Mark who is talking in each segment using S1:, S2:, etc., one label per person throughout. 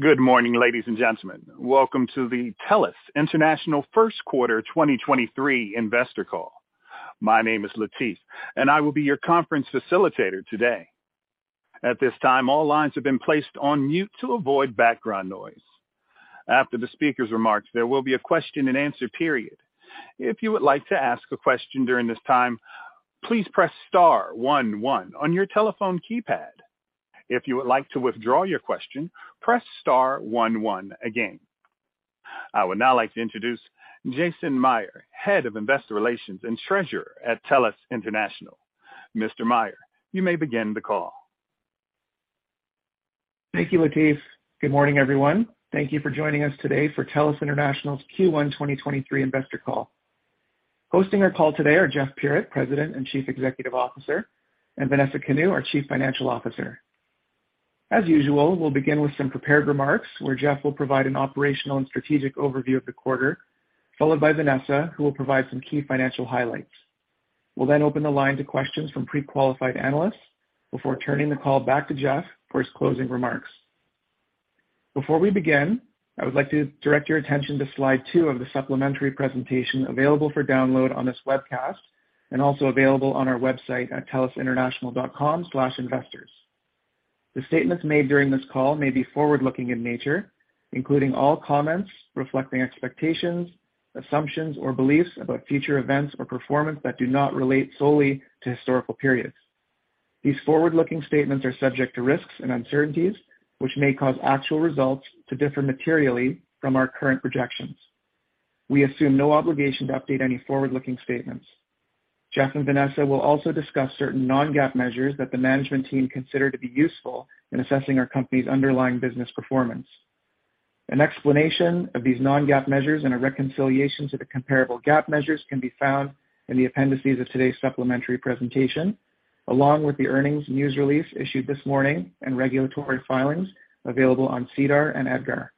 S1: Good morning, ladies and gentlemen. Welcome to the TELUS International first quarter 2023 investor call. My name is Latif, and I will be your conference facilitator today. At this time, all lines have been placed on mute to avoid background noise. After the speaker's remarks, there will be a question-and-answer period. If you would like to ask a question during this time, please press star one one on your telephone keypad. If you would like to withdraw your question, press star one one again. I would now like to introduce Jason Mayr, Head of Investor Relations and Treasurer at TELUS International. Mr. Mayr, you may begin the call.
S2: Thank you, Latif. Good morning, everyone. Thank you for joining us today for TELUS International's Q1 2023 investor call. Hosting our call today are Jeff Puritt, President and Chief Executive Officer, and Vanessa Kanu, our Chief Financial Officer. As usual, we'll begin with some prepared remarks where Jeff will provide an operational and strategic overview of the quarter, followed by Vanessa, who will provide some key financial highlights. We'll then open the line to questions from pre-qualified analysts before turning the call back to Jeff for his closing remarks. Before we begin, I would like to direct your attention to slide 2 of the supplementary presentation available for download on this webcast and also available on our website at telusinternational.com/investors. The statements made during this call may be forward-looking in nature, including all comments reflecting expectations, assumptions, or beliefs about future events or performance that do not relate solely to historical periods. These forward-looking statements are subject to risks and uncertainties, which may cause actual results to differ materially from our current projections. We assume no obligation to update any forward-looking statements. Jeff and Vanessa will also discuss certain non-GAAP measures that the management team consider to be useful in assessing our company's underlying business performance. An explanation of these non-GAAP measures and a reconciliation to the comparable GAAP measures can be found in the appendices of today's supplementary presentation, along with the earnings news release issued this morning and regulatory filings available on SEDAR and EDGAR.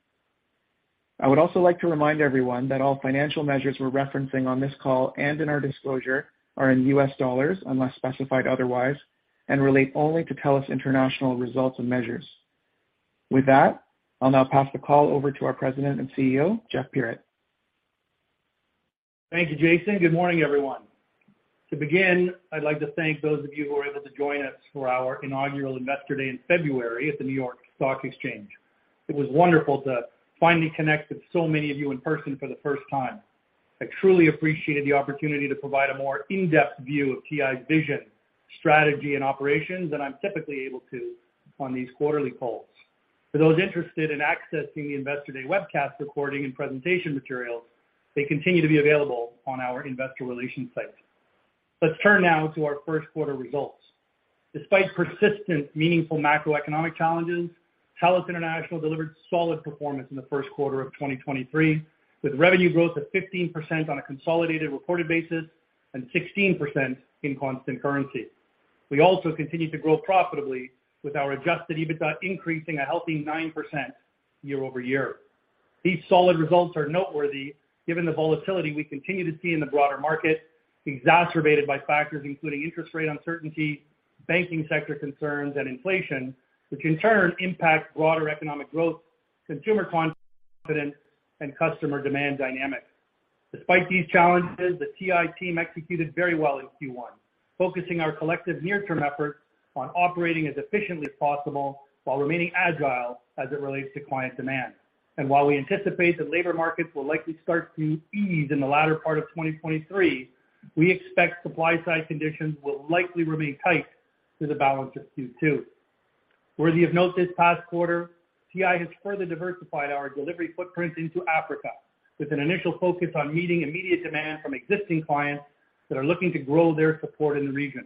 S2: I would also like to remind everyone that all financial measures we're referencing on this call and in our disclosure are in US dollars, unless specified otherwise, and relate only to TELUS International results and measures. With that, I'll now pass the call over to our President and CEO, Jeff Puritt.
S3: Thank you, Jason. Good morning, everyone. To begin, I'd like to thank those of you who were able to join us for our inaugural Investor Day in February at the New York Stock Exchange. It was wonderful to finally connect with so many of you in person for the first time. I truly appreciated the opportunity to provide a more in-depth view of TI's vision, strategy, and operations than I'm typically able to on these quarterly calls. For those interested in accessing the Investor Day webcast recording and presentation materials, they continue to be available on our investor relations site. Let's turn now to our first quarter results. Despite persistent meaningful macroeconomic challenges, TELUS International delivered solid performance in the first quarter of 2023, with revenue growth of 15% on a consolidated reported basis and 16% in constant currency. We also continued to grow profitably with our adjusted EBITDA, increasing a healthy 9% year-over-year. These solid results are noteworthy given the volatility we continue to see in the broader market, exacerbated by factors including interest rate uncertainty, banking sector concerns, and inflation, which in turn impact broader economic growth, consumer confidence, and customer demand dynamics. Despite these challenges, the TI team executed very well in Q1, focusing our collective near-term efforts on operating as efficiently as possible while remaining agile as it relates to client demand. While we anticipate that labor markets will likely start to ease in the latter part of 2023, we expect supply side conditions will likely remain tight through the balance of Q2. Worthy of note this past quarter, TI has further diversified our delivery footprint into Africa with an initial focus on meeting immediate demand from existing clients that are looking to grow their support in the region.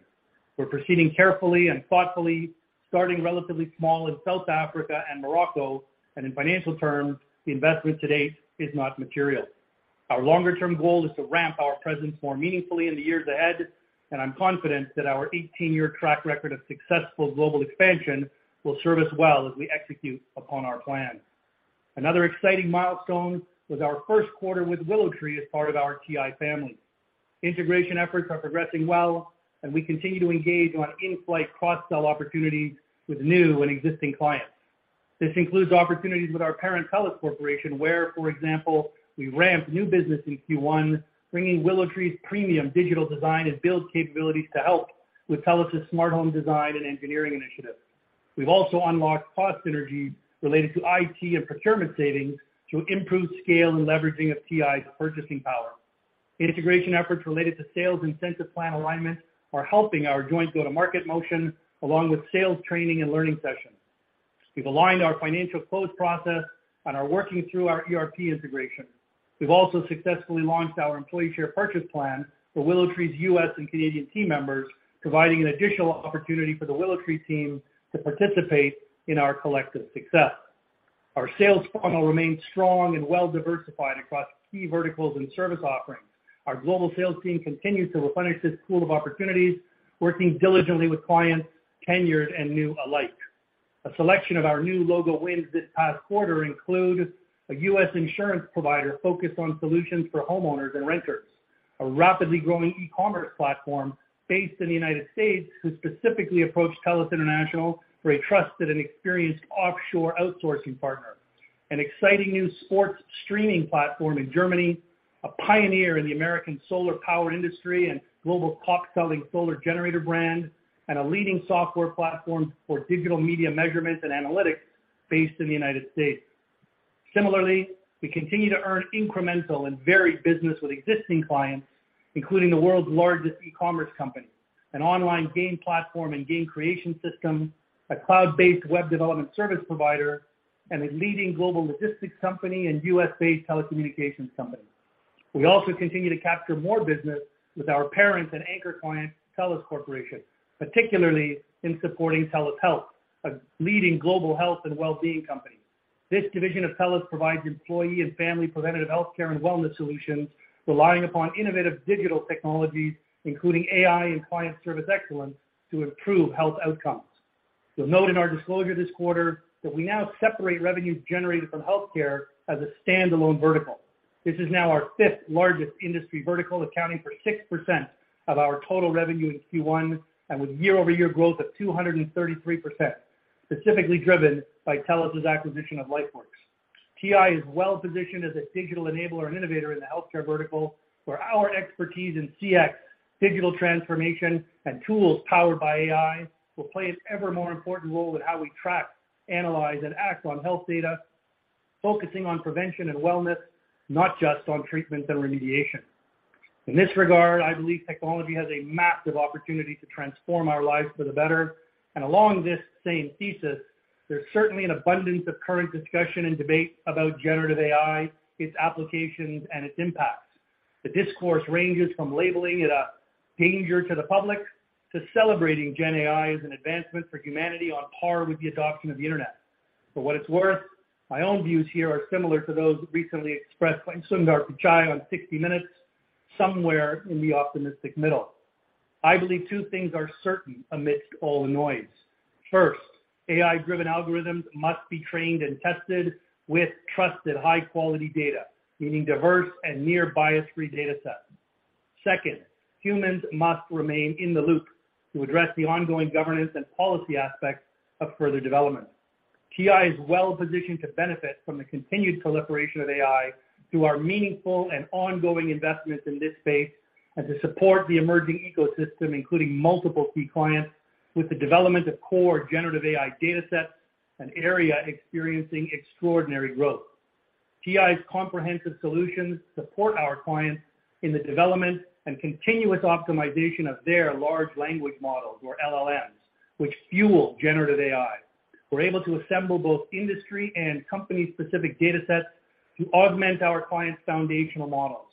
S3: We're proceeding carefully and thoughtfully, starting relatively small in South Africa and Morocco, and in financial terms, the investment to date is not material. Our longer-term goal is to ramp our presence more meaningfully in the years ahead, and I'm confident that our 18-year track record of successful global expansion will serve us well as we execute upon our plan. Another exciting milestone was our first quarter with WillowTree as part of our TI family. Integration efforts are progressing well, and we continue to engage on in-flight cross-sell opportunities with new and existing clients. This includes opportunities with our parent TELUS Corporation, where, for example, we ramped new business in Q1, bringing WillowTree's premium digital design and build capabilities to help with TELUS's smart home design and engineering initiatives. We've also unlocked cost synergies related to IT and procurement savings through improved scale and leveraging of TI's purchasing power. Integration efforts related to sales incentive plan alignment are helping our joint go-to-market motion, along with sales training and learning sessions. We've aligned our financial close process and are working through our ERP integration. We've also successfully launched our employee share purchase plan for WillowTree's U.S. and Canadian team members, providing an additional opportunity for the WillowTree team to participate in our collective success. Our sales funnel remains strong and well-diversified across key verticals and service offerings. Our global sales team continues to replenish this pool of opportunities, working diligently with clients tenured and new alike. A selection of our new logo wins this past quarter include a U.S. insurance provider focused on solutions for homeowners and renters. A rapidly growing e-commerce platform based in the United States, who specifically approached TELUS International for a trusted and experienced offshore outsourcing partner. An exciting new sports streaming platform in Germany, a pioneer in the American solar power industry and global top-selling solar generator brand, and a leading software platform for digital media measurements and analytics based in the United States. Similarly, we continue to earn incremental and varied business with existing clients, including the world's largest e-commerce company, an online game platform and game creation system, a cloud-based web development service provider, and a leading global logistics company and U.S.-based telecommunications company. We also continue to capture more business with our parent and anchor client, TELUS Corporation, particularly in supporting TELUS Health, a leading global health and well-being company. This division of TELUS provides employee and family preventative health care and wellness solutions, relying upon innovative digital technologies, including AI and client service excellence, to improve health outcomes. You'll note in our disclosure this quarter that we now separate revenues generated from healthcare as a standalone vertical. This is now our fifth-largest industry vertical, accounting for 6% of our total revenue in Q1 and with year-over-year growth of 233%, specifically driven by TELUS' acquisition of LifeWorks. TI is well-positioned as a digital enabler and innovator in the healthcare vertical, where our expertise in CX, digital transformation, and tools powered by AI will play an ever more important role in how we track, analyze, and act on health data, focusing on prevention and wellness, not just on treatment and remediation. In this regard, I believe technology has a massive opportunity to transform our lives for the better. Along this same thesis, there's certainly an abundance of current discussion and debate about generative AI, its applications, and its impacts. The discourse ranges from labeling it a danger to the public to celebrating GenAI as an advancement for humanity on par with the adoption of the Internet. For what it's worth, my own views here are similar to those recently expressed by Sundar Pichai on 60 Minutes, somewhere in the optimistic middle. I believe two things are certain amidst all the noise. First, AI-driven algorithms must be trained and tested with trusted, high-quality data, meaning diverse and near bias-free datasets. Second, humans must remain in the loop to address the ongoing governance and policy aspects of further development. TI is well-positioned to benefit from the continued collaboration of AI through our meaningful and ongoing investments in this space and to support the emerging ecosystem, including multiple key clients, with the development of core generative AI datasets, an area experiencing extraordinary growth. TI's comprehensive solutions support our clients in the development and continuous optimization of their large language models, or LLMs, which fuel generative AI. We're able to assemble both industry and company-specific datasets to augment our clients' foundational models.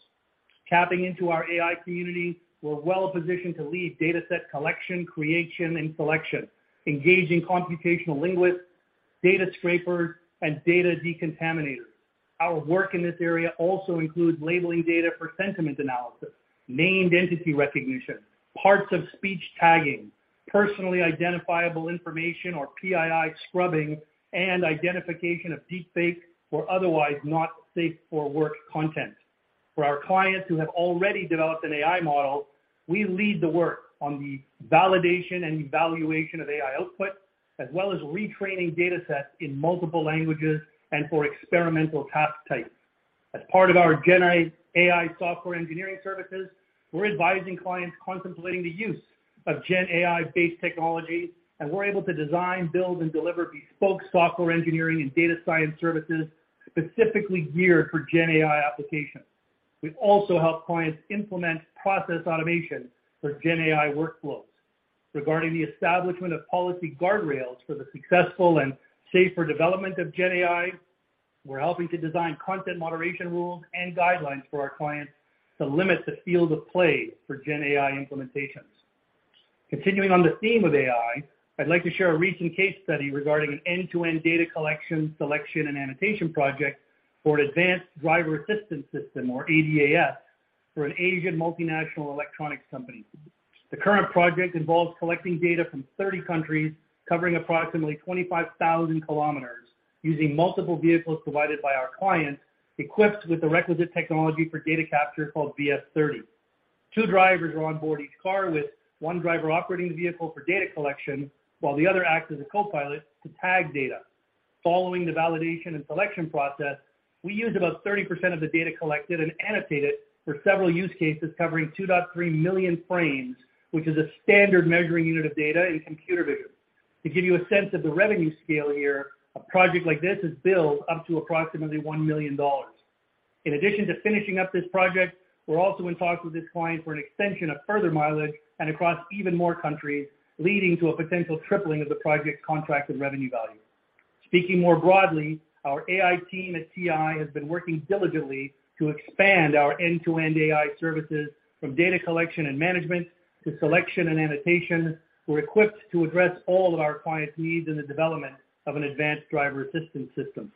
S3: Tapping into our AI community, we're well-positioned to lead dataset collection, creation, and selection, engaging computational linguists, data scrapers, and data decontaminators. Our work in this area also includes labeling data for sentiment analysis, Named Entity Recognition, parts of speech tagging, personally identifiable information or PII scrubbing, and identification of deepfake or otherwise not safe for work content. For our clients who have already developed an AI model, we lead the work on the validation and evaluation of AI output, as well as retraining datasets in multiple languages and for experimental task types. As part of our GenAI software engineering services, we're advising clients contemplating the use of GenAI-based technology, and we're able to design, build, and deliver bespoke software engineering and data science services specifically geared for GenAI applications. We've also helped clients implement process automation for GenAI workflows. Regarding the establishment of policy guardrails for the successful and safer development of Gen AI, we're helping to design content moderation rules and guidelines for our clients to limit the field of play for Gen AI implementations. Continuing on the theme of AI, I'd like to share a recent case study regarding an end-to-end data collection, selection, and annotation project for an advanced driver-assistance system, or ADAS, for an Asian multinational electronics company. The current project involves collecting data from 30 countries, covering approximately 25,000 kilometers, using multiple vehicles provided by our clients, equipped with the requisite technology for data capture called VS thirty. Two drivers are on board each car, with one driver operating the vehicle for data collection, while the other acts as a co-pilot to tag data. Following the validation and selection process, we use about 30% of the data collected and annotated for several use cases covering 2.3 million frames, which is a standard measuring unit of data in computer vision. To give you a sense of the revenue scale here, a project like this is billed up to approximately $1 million. In addition to finishing up this project, we're also in talks with this client for an extension of further mileage and across even more countries, leading to a potential tripling of the project contracted revenue value. Speaking more broadly, our AI team at TI has been working diligently to expand our end-to-end AI services from data collection and management to selection and annotation. We're equipped to address all of our clients' needs in the development of an advanced driver-assistance system.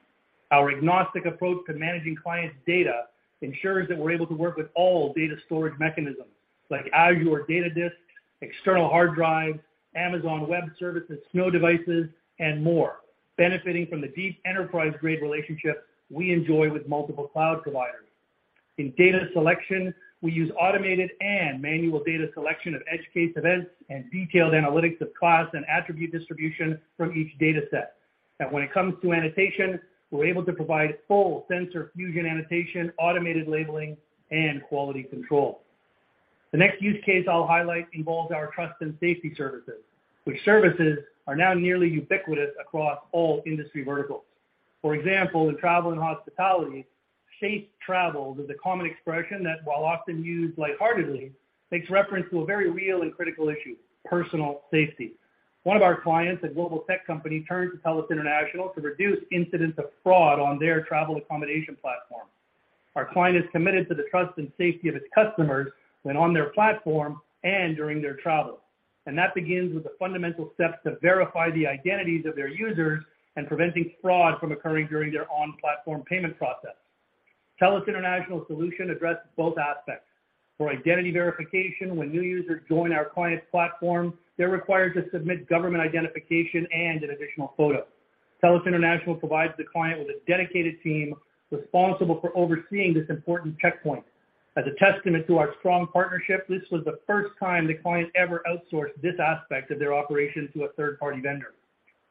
S3: Our agnostic approach to managing clients' data ensures that we're able to work with all data storage mechanisms like Azure Data Disk-External hard drive, Amazon Web Services Snow devices, and more, benefiting from the deep enterprise-grade relationship we enjoy with multiple cloud providers. In data selection, we use automated and manual data selection of edge case events and detailed analytics of class and attribute distribution from each data set. When it comes to annotation, we're able to provide full sensor fusion annotation, automated labeling, and quality control. The next use case I'll highlight involves our trust and safety services, which services are now nearly ubiquitous across all industry verticals. For example, in travel and hospitality, safe travel is a common expression that, while often used lightheartedly, makes reference to a very real and critical issue, personal safety. One of our clients, a global tech company, turned to TELUS International to reduce incidents of fraud on their travel accommodation platform. Our client is committed to the trust and safety of its customers when on their platform and during their travel. That begins with the fundamental steps to verify the identities of their users and preventing fraud from occurring during their on-platform payment process. TELUS International solution addresses both aspects. For identity verification, when new users join our client's platform, they're required to submit government identification and an additional photo. TELUS International provides the client with a dedicated team responsible for overseeing this important checkpoint. As a testament to our strong partnership, this was the first time the client ever outsourced this aspect of their operation to a third-party vendor.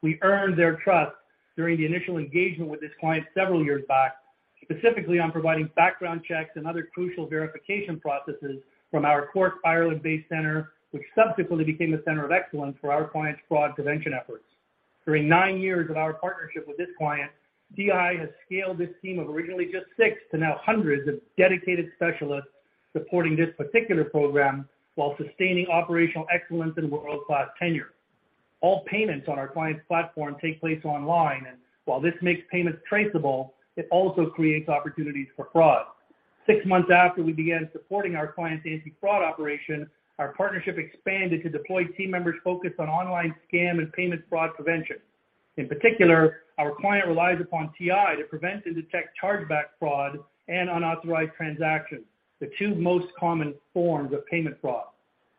S3: We earned their trust during the initial engagement with this client several years back, specifically on providing background checks and other crucial verification processes from our core Ireland-based center, which subsequently became a center of excellence for our client's fraud prevention efforts. During nine years of our partnership with this client, TI has scaled this team of originally just six to now hundreds of dedicated specialists supporting this particular program while sustaining operational excellence and world-class tenure. All payments on our client's platform take place online, and while this makes payments traceable, it also creates opportunities for fraud. Six months after we began supporting our client's anti-fraud operation, our partnership expanded to deploy team members focused on online scam and payment fraud prevention. In particular, our client relies upon TI to prevent and detect chargeback fraud and unauthorized transactions, the two most common forms of payment fraud.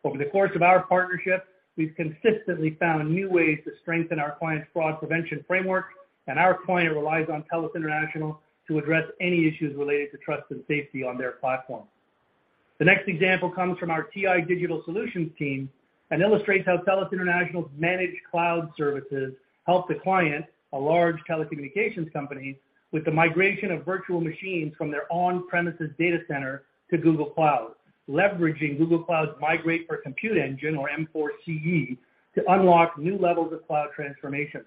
S3: Over the course of our partnership, we've consistently found new ways to strengthen our client's fraud prevention framework, and our client relies on TELUS International to address any issues related to trust and safety on their platform. The next example comes from our TI Digital Solutions team and illustrates how TELUS International's managed cloud services helped a client, a large telecommunications company, with the migration of virtual machines from their on-premises data center to Google Cloud, leveraging Google Cloud's Migrate for Compute Engine, or M4CE, to unlock new levels of cloud transformation.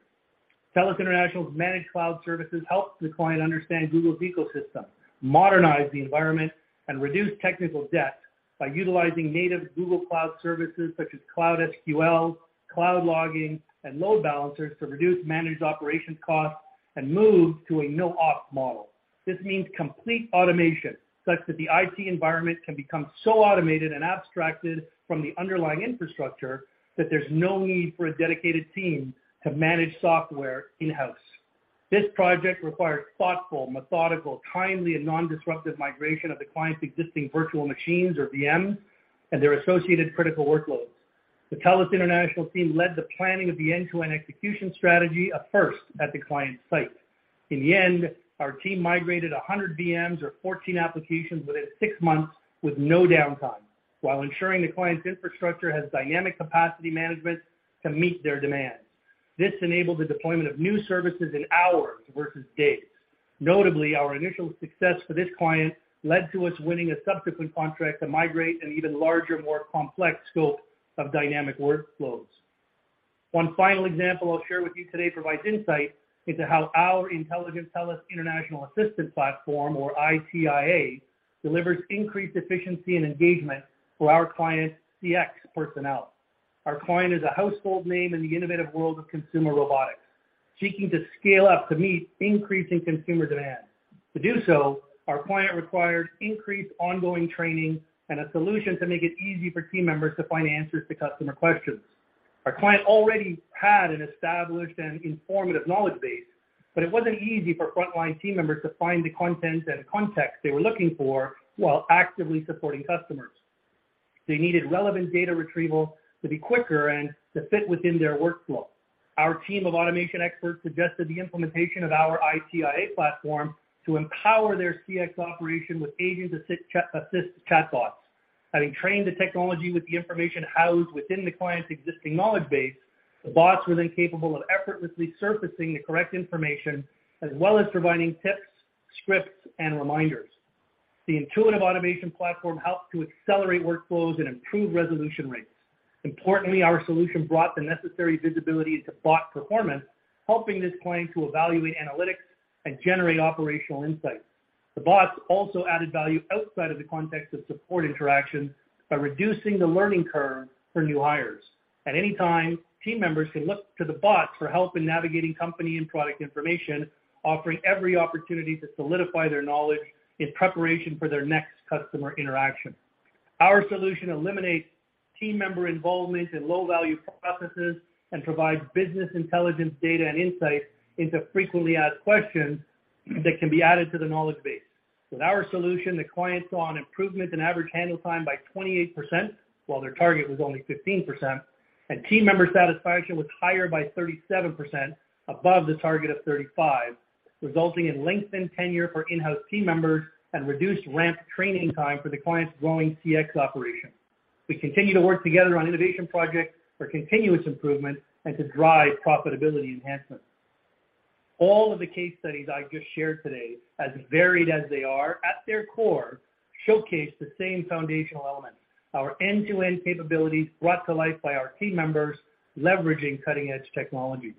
S3: TELUS International's managed cloud services helped the client understand Google's ecosystem, modernize the environment, and reduce technical debt by utilizing native Google Cloud services such as Cloud SQL, Cloud Logging, and load balancers to reduce managed operations costs and move to a NoOps model. This means complete automation, such that the IT environment can become so automated and abstracted from the underlying infrastructure that there's no need for a dedicated team to manage software in-house. This project required thoughtful, methodical, timely, and non-disruptive migration of the client's existing virtual machines, or VMs, and their associated critical workloads. The TELUS International team led the planning of the end-to-end execution strategy, a first at the client site. In the end, our team migrated 100 VMs or 14 applications within six months with no downtime while ensuring the client's infrastructure has dynamic capacity management to meet their demands. This enabled the deployment of new services in hours versus days. Notably, our initial success for this client led to us winning a subsequent contract to migrate an even larger, more complex scope of dynamic workflows. One final example I'll share with you today provides insight into how our intelligent TELUS International Assistant platform, or ITIA, delivers increased efficiency and engagement for our client's CX personnel. Our client is a household name in the innovative world of consumer robotics, seeking to scale up to meet increasing consumer demand. To do so, our client required increased ongoing training and a solution to make it easy for team members to find answers to customer questions. Our client already had an established and informative knowledge base, but it wasn't easy for frontline team members to find the content and context they were looking for while actively supporting customers. They needed relevant data retrieval to be quicker and to fit within their workflow. Our team of automation experts suggested the implementation of our ITIA platform to empower their CX operation with agent-assist chatbots. Having trained the technology with the information housed within the client's existing knowledge base, the bots were then capable of effortlessly surfacing the correct information as well as providing tips, scripts, and reminders. The intuitive automation platform helped to accelerate workflows and improve resolution rates. Importantly, our solution brought the necessary visibility to bot performance, helping this client to evaluate analytics and generate operational insights. The bots also added value outside of the context of support interactions by reducing the learning curve for new hires. At any time, team members can look to the bot for help in navigating company and product information, offering every opportunity to solidify their knowledge in preparation for their next customer interaction. Our solution eliminates team member involvement in low-value processes and provides business intelligence data and insights into frequently asked questions that can be added to the knowledge base. With our solution, the clients saw an improvement in average handle time by 28%, while their target was only 15%, and team member satisfaction was higher by 37% above the target of 35, resulting in lengthened tenure for in-house team members and reduced ramp training time for the client's growing CX operation. We continue to work together on innovation projects for continuous improvement and to drive profitability enhancements. All of the case studies I just shared today, as varied as they are, at their core showcase the same foundational elements, our end-to-end capabilities brought to life by our team members leveraging cutting-edge technology.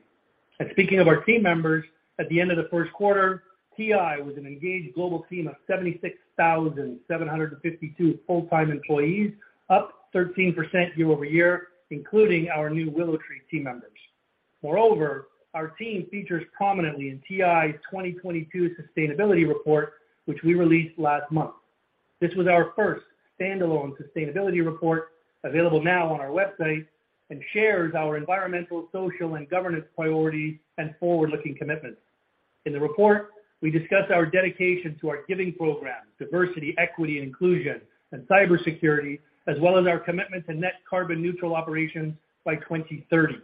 S3: Speaking of our team members, at the end of the first quarter, TI was an engaged global team of 76,752 full-time employees, up 13% year-over-year, including our new WillowTree team members. Moreover, our team features prominently in TI's 2022 sustainability report, which we released last month. This was our first standalone sustainability report, available now on our website, and shares our environmental, social, and governance priorities and forward-looking commitments. In the report, we discuss our dedication to our giving program, diversity, equity, and inclusion, and cybersecurity, as well as our commitment to net carbon neutral operations by 2030.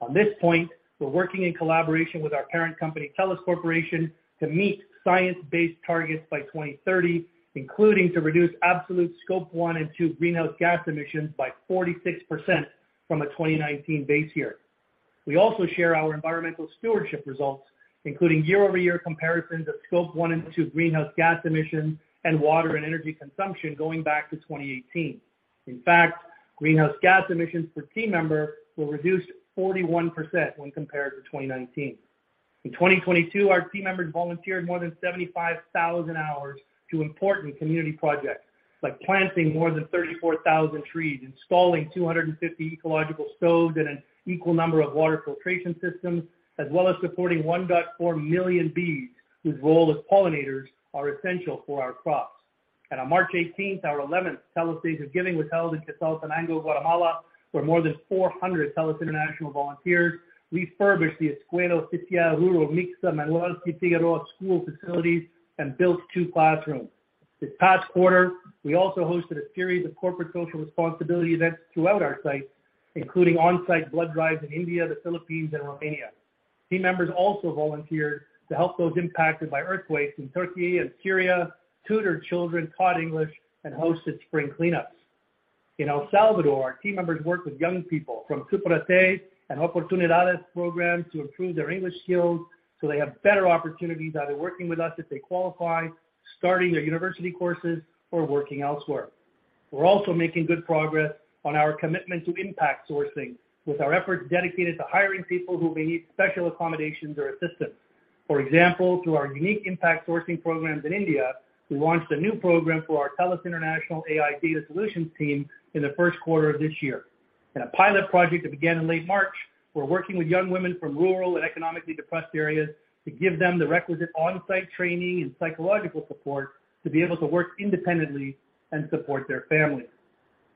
S3: On this point, we're working in collaboration with our parent company, TELUS Corporation, to meet science-based targets by 2030, including to reduce absolute Scope 1 and 2 greenhouse gas emissions by 46% from a 2019 base year. We also share our environmental stewardship results, including year-over-year comparisons of Scope 1 and 2 greenhouse gas emissions and water and energy consumption going back to 2018. In fact, greenhouse gas emissions per team member were reduced 41% when compared to 2019. In 2022, our team members volunteered more than 75,000 hours to important community projects, like planting more than 34,000 trees, installing 250 ecological stoves and an equal number of water filtration systems, as well as supporting 1.4 million bees whose role as pollinators are essential for our crops. On March 18th, our 11th TELUS Days of Giving was held in Quetzaltenango, Guatemala, where more than 400 TELUS International volunteers refurbished the Escuela Oficial Rural Mixta Manuel Sitziro school facilities and built 2 classrooms. This past quarter, we also hosted a series of corporate social responsibility events throughout our sites, including on-site blood drives in India, the Philippines, and Romania. Team members also volunteered to help those impacted by earthquakes in Turkey and Syria, tutored children, taught English, and hosted spring cleanups. In El Salvador, our team members worked with young people from Tú Protége and Oportunidades programs to improve their English skills, so they have better opportunities either working with us if they qualify, starting their university courses, or working elsewhere. We're also making good progress on our commitment to Impact Sourcing with our efforts dedicated to hiring people who may need special accommodations or assistance. For example, through our unique Impact Sourcing programs in India, we launched a new program for our TELUS International AI Data Solutions team in the first quarter of this year. In a pilot project that began in late March, we're working with young women from rural and economically depressed areas to give them the requisite on-site training and psychological support to be able to work independently and support their families.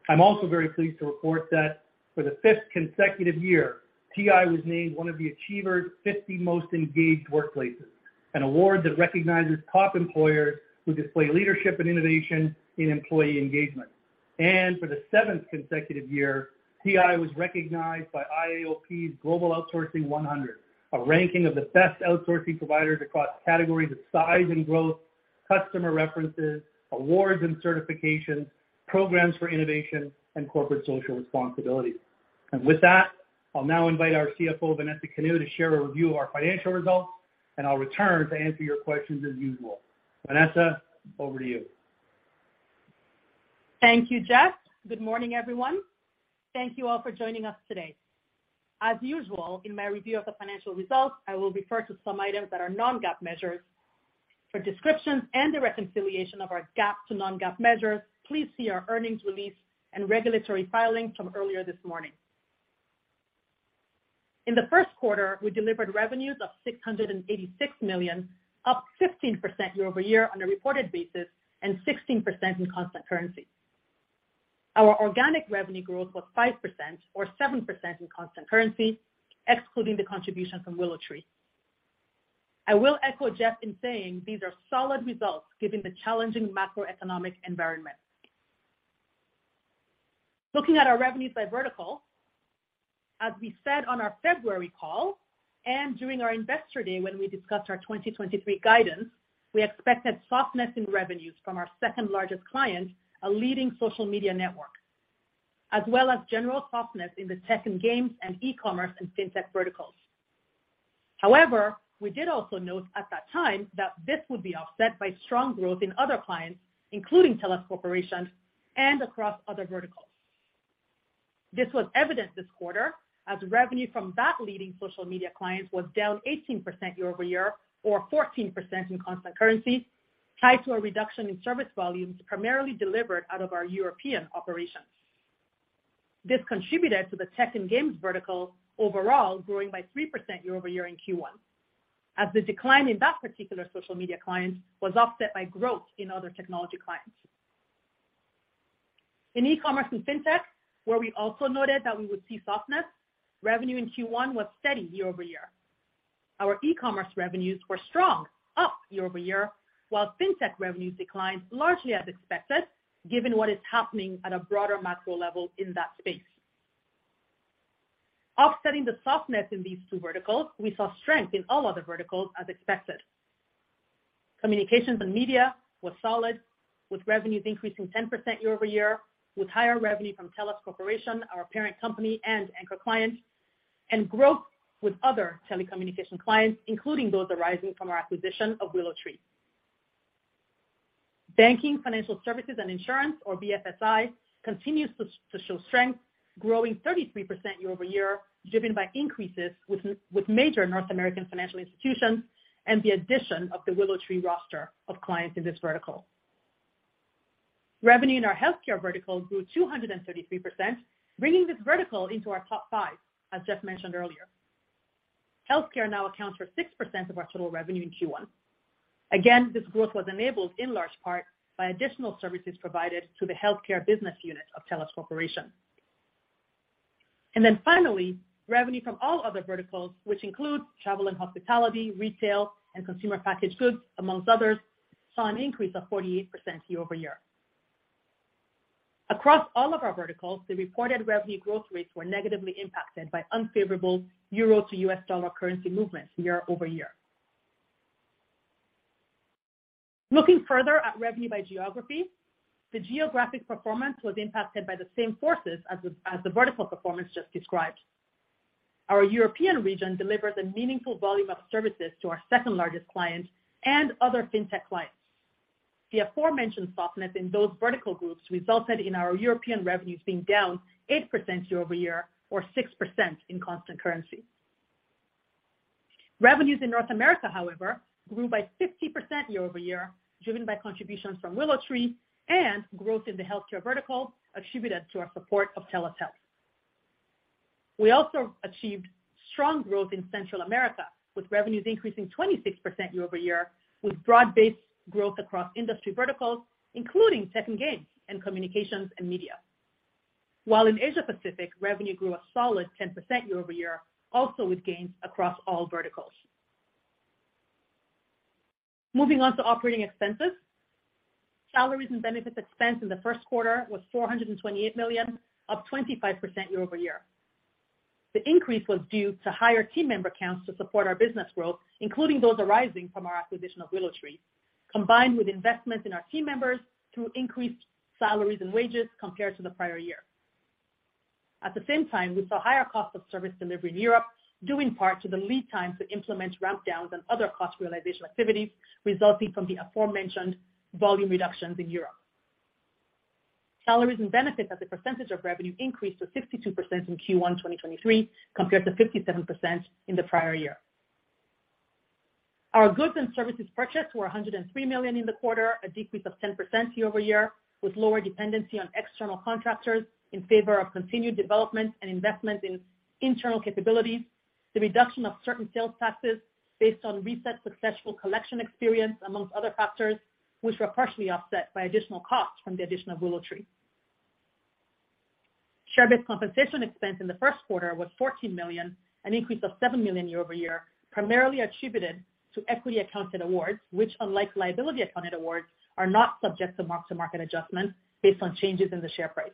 S3: I'm also very pleased to report that for the fifth consecutive year, TI was named one of the Achievers 50 Most Engaged Workplaces, an award that recognizes top employers who display leadership and innovation in employee engagement. For the seventh consecutive year, TI was recognized by IAOP's Global Outsourcing 100, a ranking of the best outsourcing providers across categories of size and growth, customer references, awards and certifications, programs for innovation, and corporate social responsibility. With that, I'll now invite our CFO, Vanessa Kanu, to share a review of our financial results, and I'll return to answer your questions as usual. Vanessa, over to you.
S4: Thank you, Jeff. Good morning, everyone. Thank you all for joining us today. As usual, in my review of the financial results, I will refer to some items that are non-GAAP measures. For descriptions and the reconciliation of our GAAP to non-GAAP measures, please see our earnings release and regulatory filings from earlier this morning. In the first quarter, we delivered revenues of $686 million, up 15% year-over-year on a reported basis, and 16% in constant currency. Our organic revenue growth was 5% or 7% in constant currency, excluding the contribution from WillowTree. I will echo Jeff in saying these are solid results given the challenging macroeconomic environment. Looking at our revenues by vertical, as we said on our February call and during our investor day when we discussed our 2023 guidance, we expected softness in revenues from our second-largest client, a leading social media network, as well as general softness in the tech and games and e-commerce and fintech verticals. However, we did also note at that time that this would be offset by strong growth in other clients, including TELUS Corporation and across other verticals. This was evident this quarter as revenue from that leading social media client was down 18% year-over-year or 14% in constant currency, tied to a reduction in service volumes primarily delivered out of our European operations. This contributed to the tech and games vertical overall growing by 3% year-over-year in Q1, as the decline in that particular social media client was offset by growth in other technology clients. In e-commerce and Fintech, where we also noted that we would see softness, revenue in Q1 was steady year-over-year. Our e-commerce revenues were strong, up year-over-year, while Fintech revenues declined largely as expected, given what is happening at a broader macro level in that space. Offsetting the softness in these two verticals, we saw strength in all other verticals as expected. Communications and media was solid, with revenues increasing 10% year-over-year, with higher revenue from TELUS Corporation, our parent company and anchor client, and growth with other telecommunication clients, including those arising from our acquisition of WillowTree. Banking, financial services and insurance, or BFSI, continues to show strength, growing 33% year-over-year, driven by increases with major North American financial institutions and the addition of the WillowTree roster of clients in this vertical. Revenue in our healthcare vertical grew 233%, bringing this vertical into our top five as Jeff mentioned earlier. Healthcare now accounts for 6% of our total revenue in Q1. This growth was enabled in large part by additional services provided to the healthcare business unit of TELUS Corporation. Finally, revenue from all other verticals, which include travel and hospitality, retail, and consumer packaged goods, amongst others, saw an increase of 48% year-over-year. Across all of our verticals, the reported revenue growth rates were negatively impacted by unfavorable EUR to USD currency movements year-over-year. Looking further at revenue by geography, the geographic performance was impacted by the same forces as the vertical performance just described. Our European region delivered a meaningful volume of services to our second-largest client and other Fintech clients. The aforementioned softness in those vertical groups resulted in our European revenues being down 8% year-over-year, or 6% in constant currency. Revenues in North America, however, grew by 50% year-over-year, driven by contributions from WillowTree and growth in the healthcare vertical attributed to our support of TELUS Health. We also achieved strong growth in Central America, with revenues increasing 26% year-over-year, with broad-based growth across industry verticals, including tech and games and communications and media. While in Asia-Pacific, revenue grew a solid 10% year-over-year, also with gains across all verticals. Moving on to operating expenses. Salaries and benefits expense in the first quarter was $428 million, up 25% year-over-year. The increase was due to higher team member counts to support our business growth, including those arising from our acquisition of WillowTree, combined with investments in our team members through increased salaries and wages compared to the prior year. The same time, we saw higher cost of service delivery in Europe, due in part to the lead time to implement ramp downs and other cost realization activities resulting from the aforementioned volume reductions in Europe. Salaries and benefits as a percentage of revenue increased to 62% in Q1 2023, compared to 57% in the prior year. Our goods and services purchased were $103 million in the quarter, a decrease of 10% year-over-year, with lower dependency on external contractors in favor of continued development and investment in internal capabilities, the reduction of certain sales taxes based on recent successful collection experience, amongst other factors, which were partially offset by additional costs from the addition of WillowTree. Share-based compensation expense in the first quarter was $14 million, an increase of $7 million year-over-year, primarily attributed to equity accounted awards, which unlike liability accounted awards, are not subject to mark-to-market adjustment based on changes in the share price.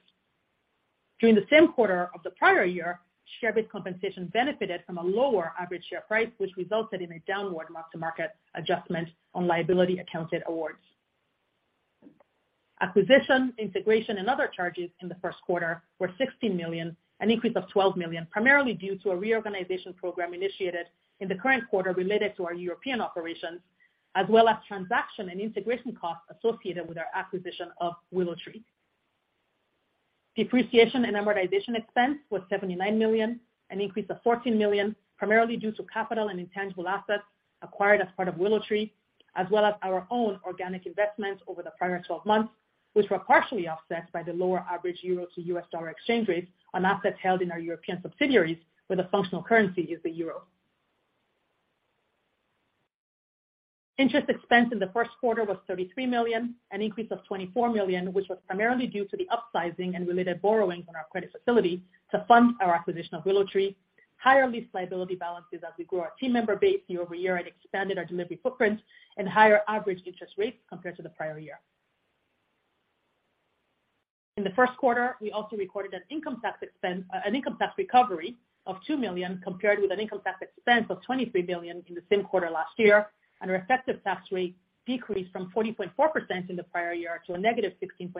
S4: During the same quarter of the prior year, share-based compensation benefited from a lower average share price, which resulted in a downward mark-to-market adjustment on liability accounted awards. Acquisition, integration, and other charges in the first quarter were $16 million, an increase of $12 million, primarily due to a reorganization program initiated in the current quarter related to our European operations, as well as transaction and integration costs associated with our acquisition of WillowTree. Depreciation and amortization expense was $79 million, an increase of $14 million, primarily due to capital and intangible assets acquired as part of WillowTree, as well as our own organic investments over the prior 12 months, which were partially offset by the lower average euro to US dollar exchange rates on assets held in our European subsidiaries, where the functional currency is the euro. Interest expense in the first quarter was $33 million, an increase of $24 million, which was primarily due to the upsizing and related borrowings on our credit facility to fund our acquisition of WillowTree, higher lease liability balances as we grew our team member base year-over-year and expanded our delivery footprint, and higher average interest rates compared to the prior year. In the first quarter, we also recorded an income tax recovery of $2 million compared with an income tax expense of $23 million in the same quarter last year, and our effective tax rate decreased from 40.4% in the prior year to a -16.7%,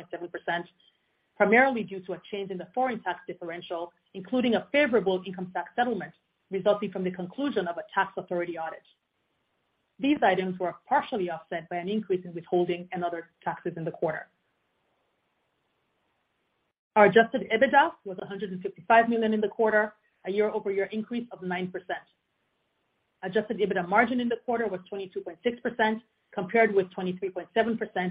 S4: primarily due to a change in the foreign tax differential, including a favorable income tax settlement resulting from the conclusion of a tax authority audit. These items were partially offset by an increase in withholding and other taxes in the quarter. Our adjusted EBITDA was $155 million in the quarter, a year-over-year increase of 9%. Adjusted EBITDA margin in the quarter was 22.6%, compared with 23.7%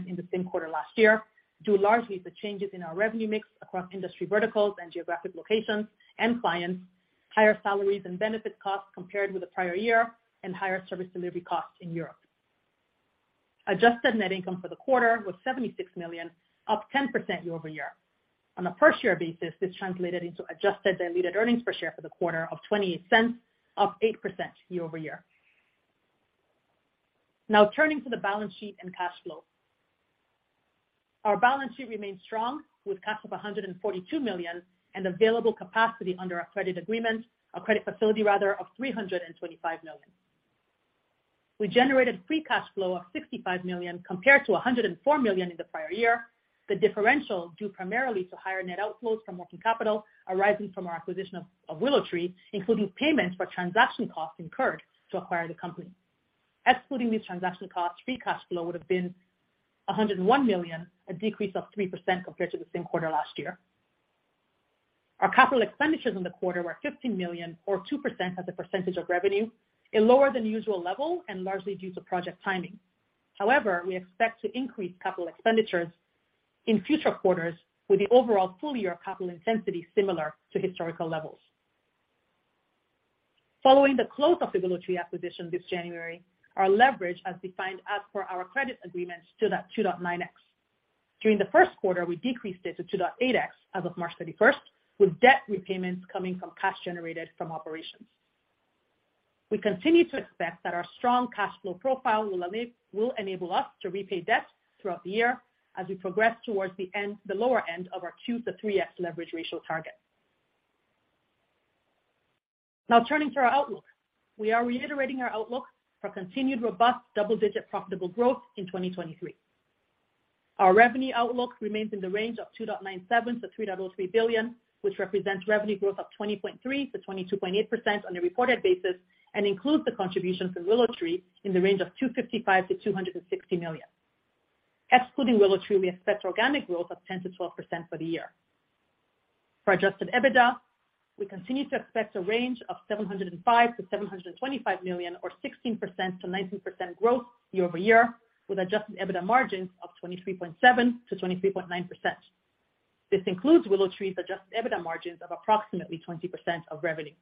S4: in the same quarter last year, due largely to changes in our revenue mix across industry verticals and geographic locations and clients, higher salaries and benefit costs compared with the prior year, and higher service delivery costs in Europe. Adjusted net income for the quarter was $76 million, up 10% year-over-year. On a per-share basis, this translated into adjusted diluted earnings per share for the quarter of $0.20, up 8% year-over-year. Turning to the balance sheet and cash flow. Our balance sheet remains strong, with cash of $142 million and available capacity under our credit agreement, our credit facility rather, of $325 million. We generated free cash flow of $65 million compared to $104 million in the prior year. The differential due primarily to higher net outflows from working capital arising from our acquisition of WillowTree, including payments for transaction costs incurred to acquire the company. Excluding these transaction costs, free cash flow would have been $101 million, a decrease of 3% compared to the same quarter last year. Our capital expenditures in the quarter were $15 million or 2% as a percentage of revenue, a lower than usual level and largely due to project timing. However, we expect to increase capital expenditures in future quarters with the overall full-year capital intensity similar to historical levels. Following the close of the WillowTree acquisition this January, our leverage as defined as per our credit agreement stood at 2.9x. During the first quarter, we decreased it to 2.8x as of March 31st, with debt repayments coming from cash generated from operations. We continue to expect that our strong cash flow profile will enable us to repay debt throughout the year as we progress towards the lower end of our 2x-3x leverage ratio target. Now turning to our outlook. We are reiterating our outlook for continued robust double-digit profitable growth in 2023. Our revenue outlook remains in the range of $2.97 billion-$3.03 billion, which represents revenue growth of 20.3%-22.8% on a reported basis and includes the contributions of WillowTree in the range of $255 million-$260 million. Excluding WillowTree, we expect organic growth of 10%-12% for the year. For adjusted EBITDA, we continue to expect a range of $705 million-$725 million or 16%-19% growth year-over-year, with adjusted EBITDA margins of 23.7%-23.9%. This includes WillowTree's adjusted EBITDA margins of approximately 20% of revenue.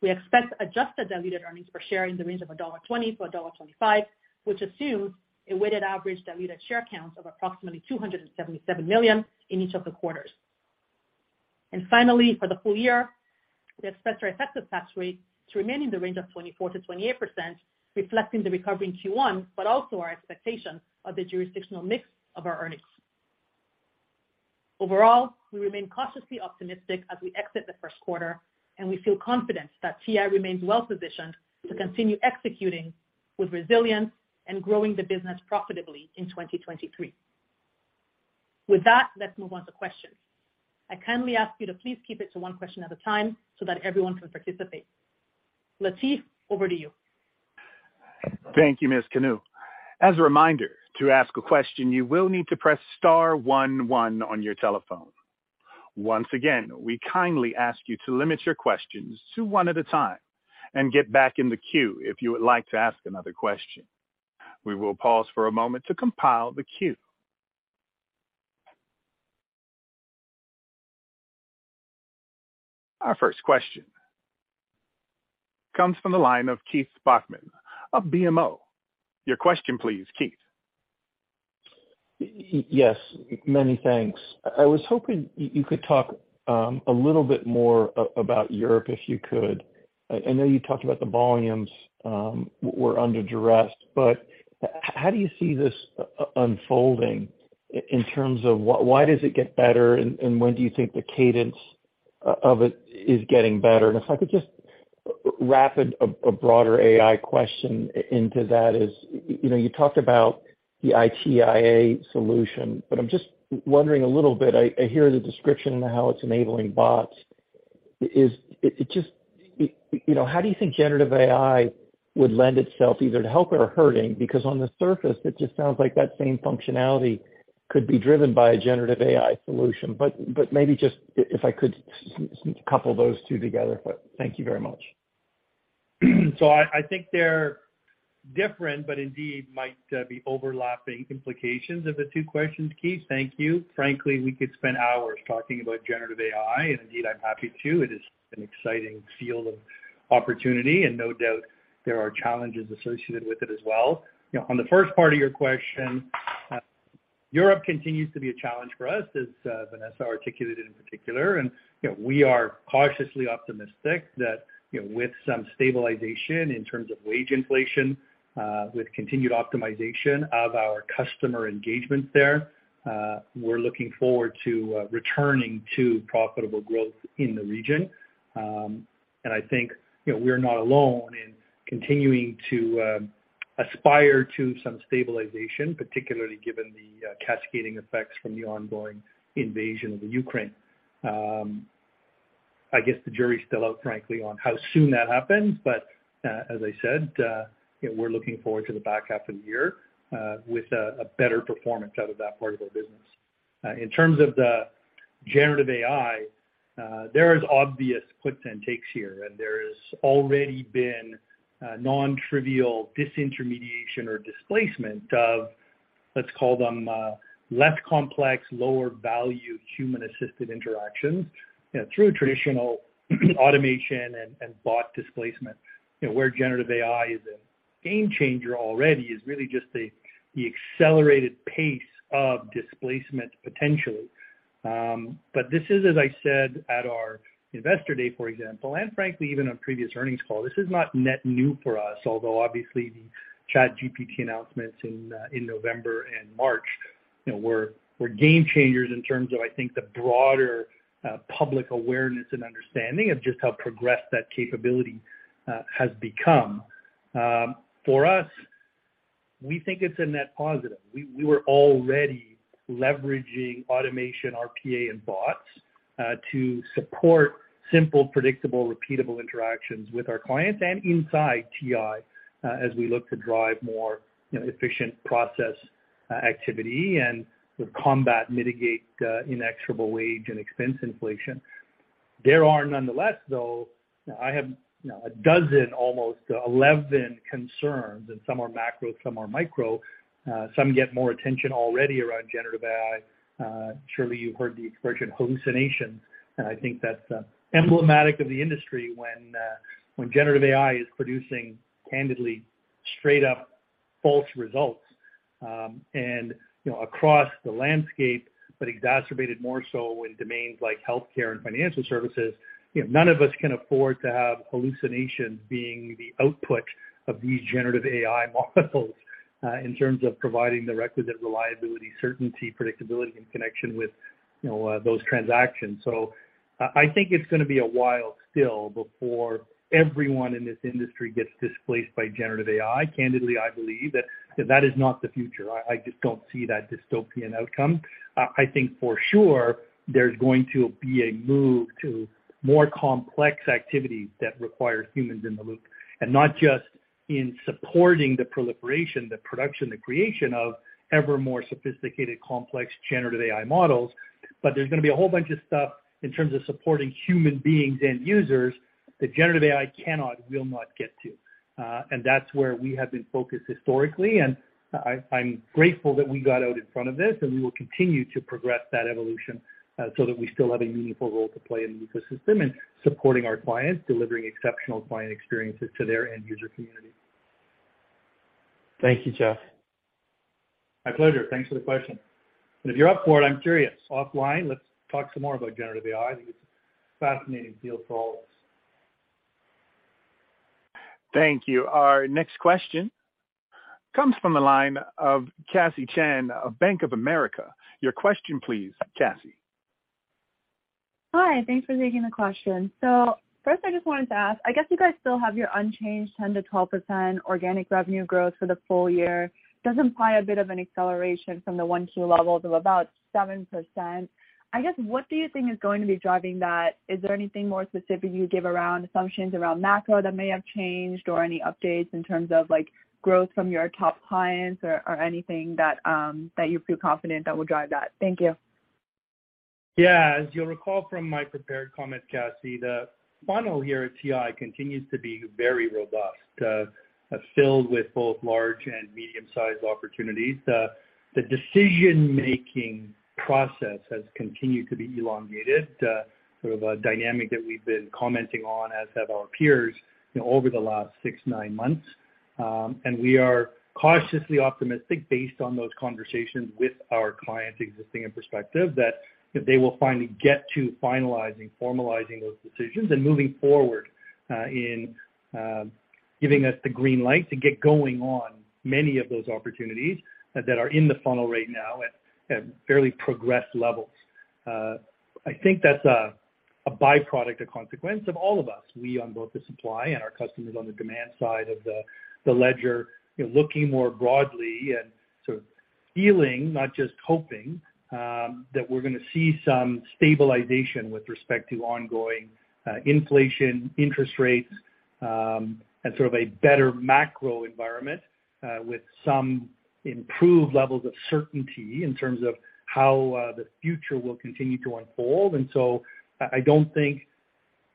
S4: We expect adjusted diluted earnings per share in the range of $1.20-$1.25, which assumes a weighted average diluted share count of approximately 277 million in each of the quarters. Finally, for the full year, we expect our effective tax rate to remain in the range of 24%-28%, reflecting the recovery in Q1, but also our expectation of the jurisdictional mix of our earnings. Overall, we remain cautiously optimistic as we exit the first quarter, and we feel confident that TI remains well positioned to continue executing with resilience and growing the business profitably in 2023. With that, let's move on to questions. I kindly ask you to please keep it to one question at a time so that everyone can participate. Latif, over to you.
S1: Thank you, Ms. Kanu. As a reminder, to ask a question, you will need to press star one one on your telephone. Once again, we kindly ask you to limit your questions to one at a time and get back in the queue if you would like to ask another question. We will pause for a moment to compile the queue. Our first question comes from the line of Keith Bachman of BMO. Your question please, Keith.
S5: Yes, many thanks. I was hoping you could talk a little bit more about Europe if you could. I know you talked about the volumes were under duress, how do you see this unfolding in terms of why does it get better and when do you think the cadence of it is getting better? If I could just wrap in a broader AI question into that is, you know, you talked about the ITIA solution, but I am just wondering a little bit. I hear the description and how it is enabling bots. It just, you know, how do you think generative AI would lend itself either to help or hurting? Because on the surface, it just sounds like that same functionality could be driven by a generative AI solution. maybe just if I could couple those two together. Thank you very much.
S4: I think they're different, but indeed might be overlapping implications of the 2 questions, Keith. Thank you. Frankly, we could spend hours talking about generative AI, indeed, I'm happy to. It is an exciting field of opportunity and no doubt there are challenges associated with it as well. You know, on the first part of your question, Europe continues to be a challenge for us, as Vanessa articulated in particular. You know, we are cautiously optimistic that, you know, with some stabilization in terms of wage inflation, with continued optimization of our customer engagements there, we're looking forward to returning to profitable growth in the region. I think, you know, we're not alone in continuing to aspire to some stabilization, particularly given the cascading effects from the ongoing invasion of the Ukraine. I guess the jury is still out, frankly, on how soon that happens. As I said, you know, we're looking forward to the back half of the year, with a better performance out of that part of our business. In terms of the generative AI, there is obvious quits and takes here, and there has already been a nontrivial disintermediation or displacement of.
S3: Let's call them, less complex, lower value human-assisted interactions, you know, through traditional automation and bot displacement. You know, where generative AI is a game changer already is really just the accelerated pace of displacement potentially. This is, as I said at our investor day, for example, and frankly even on previous earnings call, this is not net new for us, although obviously the ChatGPT announcements in November and March, you know, were game changers in terms of, I think, the broader public awareness and understanding of just how progressed that capability has become. For us, we think it's a net positive. We were already leveraging automation, RPA, and bots to support simple, predictable, repeatable interactions with our clients and inside TI as we look to drive more, you know, efficient process activity and sort of combat, mitigate, inexorable wage and expense inflation. There are nonetheless, though, you know, I have, you know, a dozen, almost eleven concerns, and some are macro, some are micro, some get more attention already around generative AI. Surely you've heard the expression hallucinations, and I think that's emblematic of the industry when when generative AI is producing candidly straight up false results. You know, across the landscape, but exacerbated more so in domains like healthcare and financial services, you know, none of us can afford to have hallucinations being the output of these generative AI models, in terms of providing the requisite reliability, certainty, predictability, and connection with, you know, those transactions. I think it's gonna be a while still before everyone in this industry gets displaced by generative AI. Candidly, I believe that that is not the future. I just don't see that dystopian outcome. I think for sure there's going to be a move to more complex activities that require humans in the loop, and not just in supporting the proliferation, the production, the creation of ever more sophisticated, complex generative AI models, but there's gonna be a whole bunch of stuff in terms of supporting human beings and users that generative AI cannot, will not get to. That's where we have been focused historically. I'm grateful that we got out in front of this, and we will continue to progress that evolution, so that we still have a meaningful role to play in the ecosystem in supporting our clients, delivering exceptional client experiences to their end user community.
S5: Thank you, Jeff.
S3: My pleasure. Thanks for the question. If you're up for it, I'm curious, offline, let's talk some more about generative AI. I think it's a fascinating field for all of us.
S1: Thank you. Our next question comes from the line of Cassie Chan of Bank of America. Your question, please, Cassie.
S6: Hi. Thanks for taking the question. First, I just wanted to ask, I guess you guys still have your unchanged 10%-12% organic revenue growth for the full year. Does imply a bit of an acceleration from the 1Q levels of about 7%. I guess, what do you think is going to be driving that? Is there anything more specific you'd give around assumptions around macro that may have changed or any updates in terms of like growth from your top clients or anything that you feel confident that would drive that? Thank you.
S3: Yeah. As you'll recall from my prepared comment, Cassie, the funnel here at TI continues to be very robust, filled with both large and medium-sized opportunities. The decision-making process has continued to be elongated, sort of a dynamic that we've been commenting on, as have our peers, you know, over the last six, nine months. We are cautiously optimistic based on those conversations with our clients, existing and prospective, that they will finally get to finalizing, formalizing those decisions and moving forward, in giving us the green light to get going on many of those opportunities, that are in the funnel right now at fairly progressed levels. I think that's a byproduct or consequence of all of us, we on both the supply and our customers on the demand side of the ledger, you know, looking more broadly and sort of feeling, not just hoping that we're gonna see some stabilization with respect to ongoing inflation, interest rates, and sort of a better macro environment with some improved levels of certainty in terms of how the future will continue to unfold. I don't think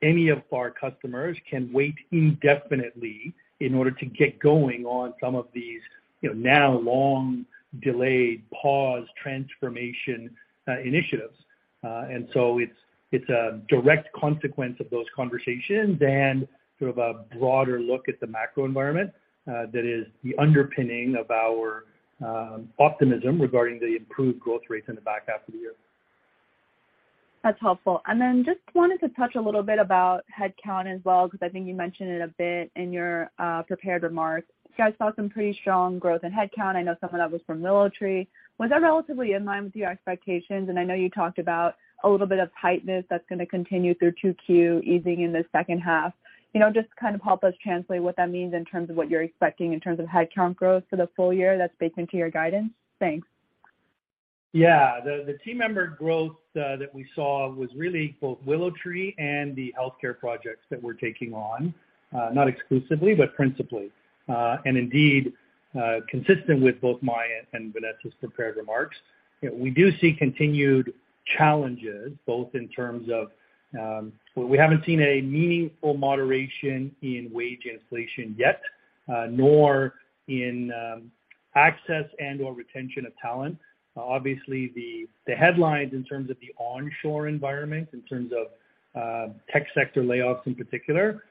S3: any of our customers can wait indefinitely in order to get going on some of these, you know, now long-delayed transformation initiatives. It's a direct consequence of those conversations and sort of a broader look at the macro environment, that is the underpinning of our optimism regarding the improved growth rates in the back half of the year.
S6: That's helpful. Just wanted to touch a little bit about headcount as well because I think you mentioned it a bit in your prepared remarks. You guys saw some pretty strong growth in headcount. I know some of that was from WillowTree. Was that relatively in line with your expectations? I know you talked about a little bit of tightness that's gonna continue through 2Q easing in the second half. You know, just to kind of help us translate what that means in terms of what you're expecting in terms of headcount growth for the full year that's baked into your guidance. Thanks.
S3: Yeah. The team member growth that we saw was really both WillowTree and the healthcare projects that we're taking on. Not exclusively, but principally. Indeed, consistent with both my and Vanessa's prepared remarks, you know, we do see continued challenges both in terms of, well, we haven't seen a meaningful moderation in wage inflation yet, nor in access and or retention of talent. Obviously, the headlines in terms of the onshore environment, in terms of tech sector layoffs in particular,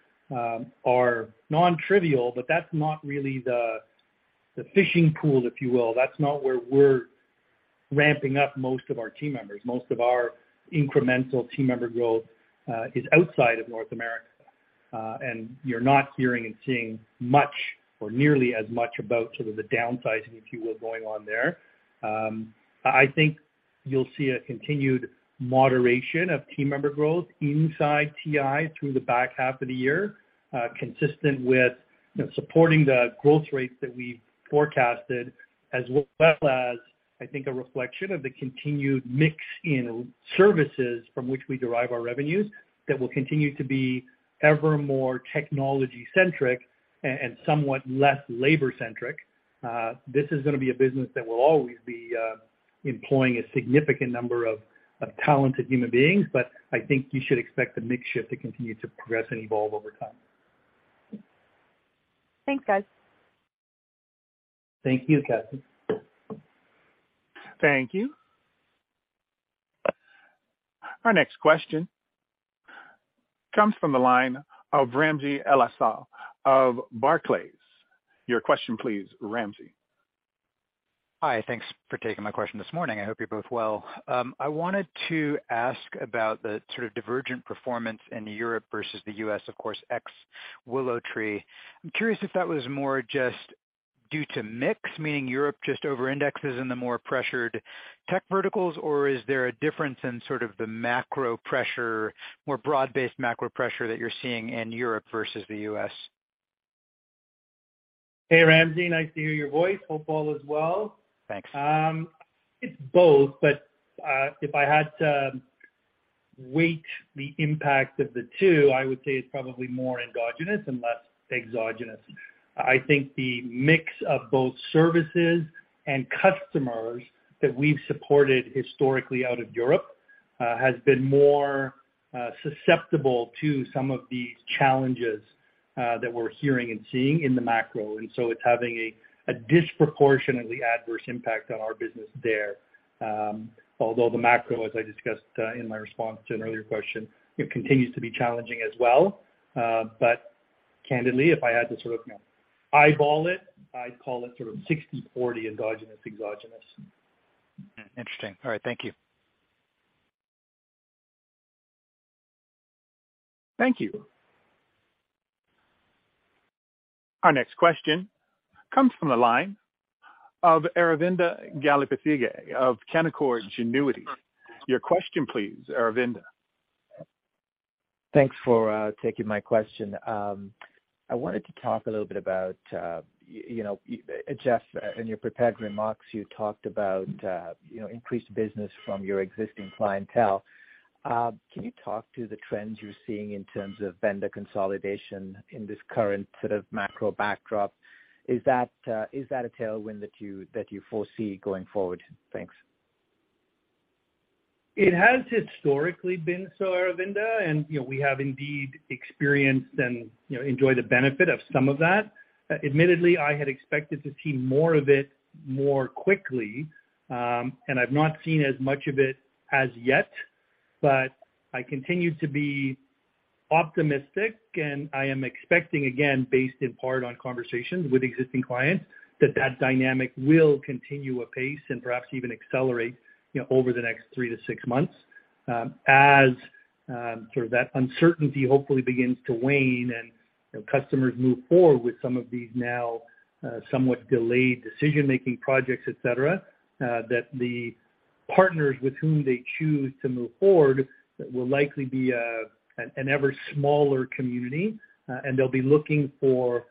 S3: are non-trivial, but that's not really the fishing pool, if you will. That's not where we're ramping up most of our team members. re not hearing and seeing much or nearly as much about sort of the downsizing, if you will, going on there. I think you'll see a continued moderation of team member growth inside TI through the back half of the year, consistent with supporting the growth rates that we forecasted, as well as, I think, a reflection of the continued mix in services from which we derive our revenues that will continue to be ever more technology-centric and, somewhat less labor-centric. This is gonna be a business that will always be, employing a significant number of, talented human beings, but I think you should expect the mix shift to continue to progress and evolve over time.
S6: Thanks, guys.
S3: Thank you, Cassie.
S1: Thank you. Our next question comes from the line of Ramsey El-Assal of Barclays. Your question please, Ramsey.
S7: Hi. Thanks for taking my question this morning. I hope you're both well. I wanted to ask about the sort of divergent performance in Europe versus the U.S., of course, ex-WillowTree. I'm curious if that was more just due to mix, meaning Europe just over-indexes in the more pressured tech verticals, or is there a difference in sort of the macro pressure, more broad-based macro pressure that you're seeing in Europe versus the U.S.?
S3: Hey, Ramsey. Nice to hear your voice. Hope all is well.
S7: Thanks.
S3: It's both, but if I had to weight the impact of the two, I would say it's probably more endogenous and less exogenous. I think the mix of both services and customers that we've supported historically out of Europe has been more susceptible to some of these challenges that we're hearing and seeing in the macro, and so it's having a disproportionately adverse impact on our business there. Although the macro, as I discussed in my response to an earlier question, it continues to be challenging as well. Candidly, if I had to sort of eyeball it, I'd call it sort of 60/40 endogenous/exogenous.
S7: Interesting. All right. Thank you.
S1: Thank you. Our next question comes from the line of Aravinda Galappatthige of Canaccord Genuity. Your question please, Aravinda.
S8: Thanks for taking my question. I wanted to talk a little bit about, you know, Jeff, in your prepared remarks, you talked about, you know, increased business from your existing clientele. Can you talk to the trends you're seeing in terms of vendor consolidation in this current sort of macro backdrop? Is that a tailwind that you foresee going forward? Thanks.
S3: It has historically been so, Aravinda, and, you know, we have indeed experienced and, you know, enjoy the benefit of some of that. Admittedly, I had expected to see more of it more quickly, and I've not seen as much of it as yet. I continue to be optimistic, and I am expecting, again, based in part on conversations with existing clients, that that dynamic will continue apace and perhaps even accelerate, you know, over the next three to six months, as sort of that uncertainty hopefully begins to wane and, you know, customers move forward with some of these now, somewhat delayed decision-making projects, et cetera, that the partners with whom they choose to move forward will likely be an ever smaller community, and they'll be looking for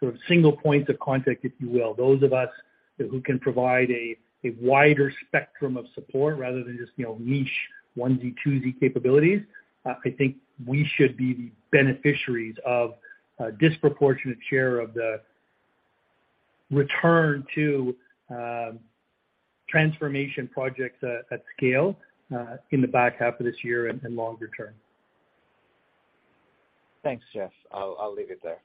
S3: sort of single points of contact, if you will. Those of us who can provide a wider spectrum of support rather than just, you know, niche one Z, two Z capabilities, I think we should be the beneficiaries of a disproportionate share of the return to transformation projects at scale in the back half of this year and longer term.
S8: Thanks, Jeff. I'll leave it there.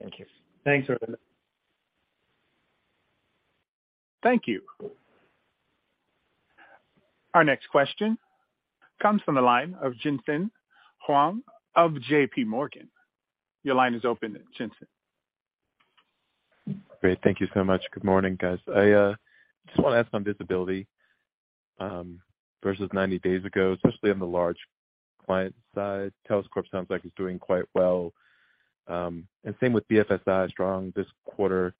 S8: Thank you.
S3: Thanks, Aravinda.
S1: Thank you. Our next question comes from the line of Tien-Tsin Huang of JPMorgan. Your line is open, Tien-Tsin.
S9: Great. Thank you so much. Good morning, guys. I just want to ask on visibility, versus 90 days ago, especially on the large client side. TELUS sounds like it's doing quite well. Same with BFSI, strong this quarter.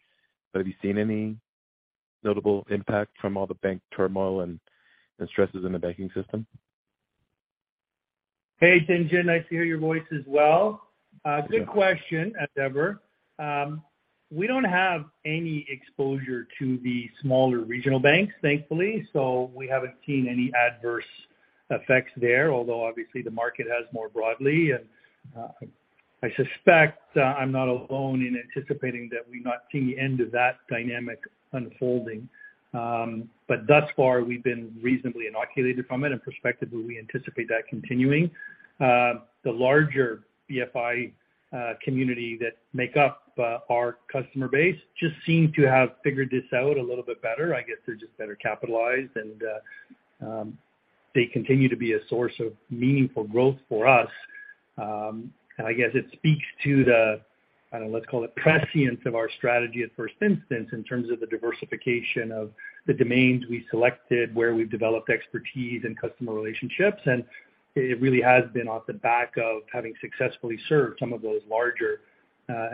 S9: Have you seen any notable impact from all the bank turmoil and stresses in the banking system?
S3: Hey, Tien-Tsin. Nice to hear your voice as well. Good question as ever. We don't have any exposure to the smaller regional banks, thankfully, so we haven't seen any adverse effects there, although obviously the market has more broadly. I suspect I'm not alone in anticipating that we not see the end of that dynamic unfolding. But thus far, we've been reasonably inoculated from it. Prospectively, we anticipate that continuing. The larger BFI community that make up our customer base just seem to have figured this out a little bit better. I guess they're just better capitalized, and they continue to be a source of meaningful growth for us. I guess it speaks to the, let's call it prescient of our strategy at first instance in terms of the diversification of the domains we selected, where we've developed expertise and customer relationships. It really has been off the back of having successfully served some of those larger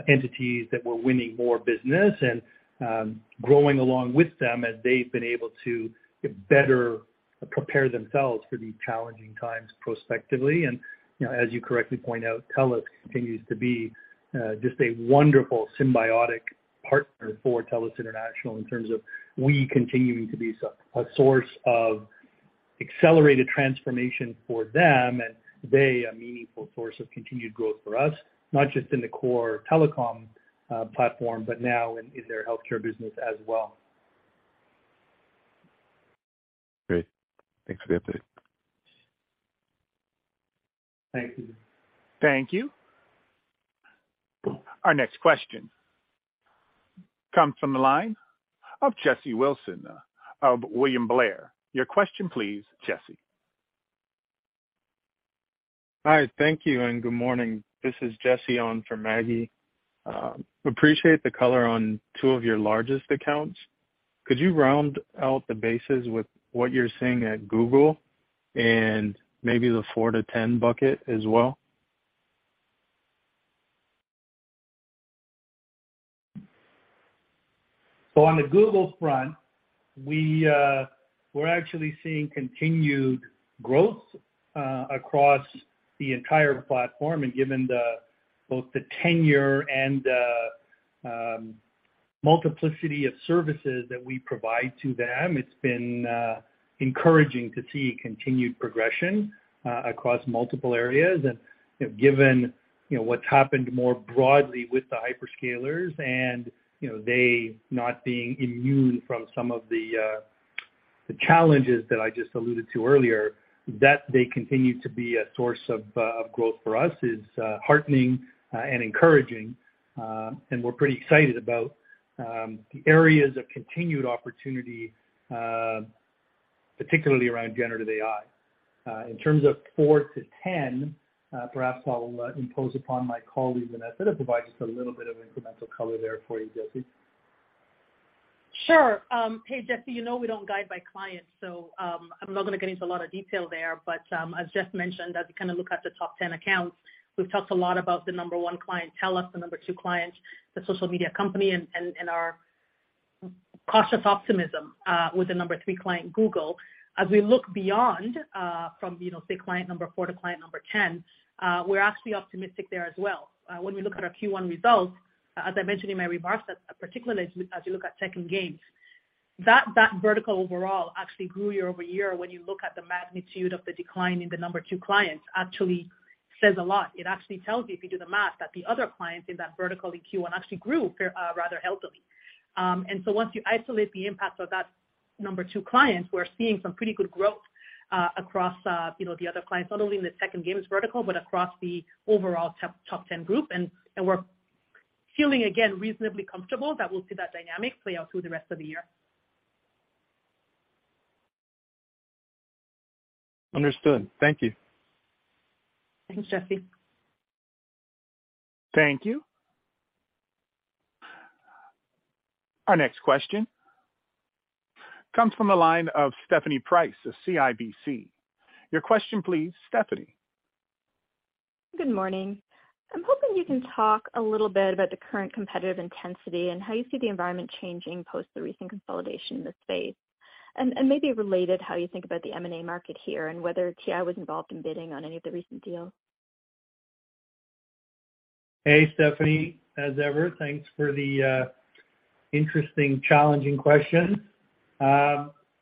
S3: entities that were winning more business, and growing along with them as they've been able to better prepare themselves for these challenging times prospectively. You know, as you correctly point out, TELUS continues to be just a wonderful symbiotic partner for TELUS International in terms of we continuing to be a source of accelerated transformation for them, and they a meaningful source of continued growth for us, not just in the core telecom platform, but now in their healthcare business as well.
S9: Great. Thanks for the update.
S3: Thank you.
S1: Thank you. Our next question comes from the line of Jesse Wilson of William Blair. Your question please, Jesse.
S10: Hi. Thank you and good morning. This is Jesse on for Maggie. Appreciate the color on two of your largest accounts. Could you round out the bases with what you're seeing at Google and maybe the 4-10 bucket as well?
S3: On the Google front, we're actually seeing continued growth across the entire platform. Given the, both the tenure and the multiplicity of services that we provide to them, it's been encouraging to see continued progression across multiple areas. Given, you know, what's happened more broadly with the hyperscalers and, you know, they not being immune from some of the challenges that I just alluded to earlier, that they continue to be a source of growth for us is heartening and encouraging. And we're pretty excited about the areas of continued opportunity, particularly around generative AI. In terms of four to 10, perhaps I'll impose upon my colleague, Vanessa, to provide just a little bit of incremental color there for you, Jesse.
S4: Sure. hey, Jesse, you know, we don't guide by clients, so, I'm not gonna get into a lot of detail there. As Jeff mentioned, as we kind of look at the top 10 accounts, we've talked a lot about the number 1 client, TELUS, the number 2 client, the social media company, and our cautious optimism with the number 3 client, Google. As we look beyond from, you know, say, client number 4 to client number 10, we're actually optimistic there as well. When we look at our Q1 results, as I mentioned in my remarks, particularly as you look at tech and games, that vertical overall actually grew year-over-year when you look at the magnitude of the decline in the number 2 clients actually says a lot. It actually tells you, if you do the math, that the other clients in that vertical in Q1 actually grew, rather healthily. Once you isolate the impact of that number 2 client, we're seeing some pretty good growth, you know, the other clients, not only in the tech and games vertical, but across the overall top 10 group. We're feeling again, reasonably comfortable that we'll see that dynamic play out through the rest of the year.
S10: Understood. Thank you.
S4: Thanks, Jesse.
S1: Thank you. Our next question comes from the line of Stephanie Price of CIBC. Your question please, Stephanie.
S11: Good morning. I'm hoping you can talk a little bit about the current competitive intensity and how you see the environment changing post the recent consolidation in the space. Maybe related, how you think about the M&A market here and whether TI was involved in bidding on any of the recent deals.
S3: Hey, Stephanie. As ever, thanks for the interesting, challenging question.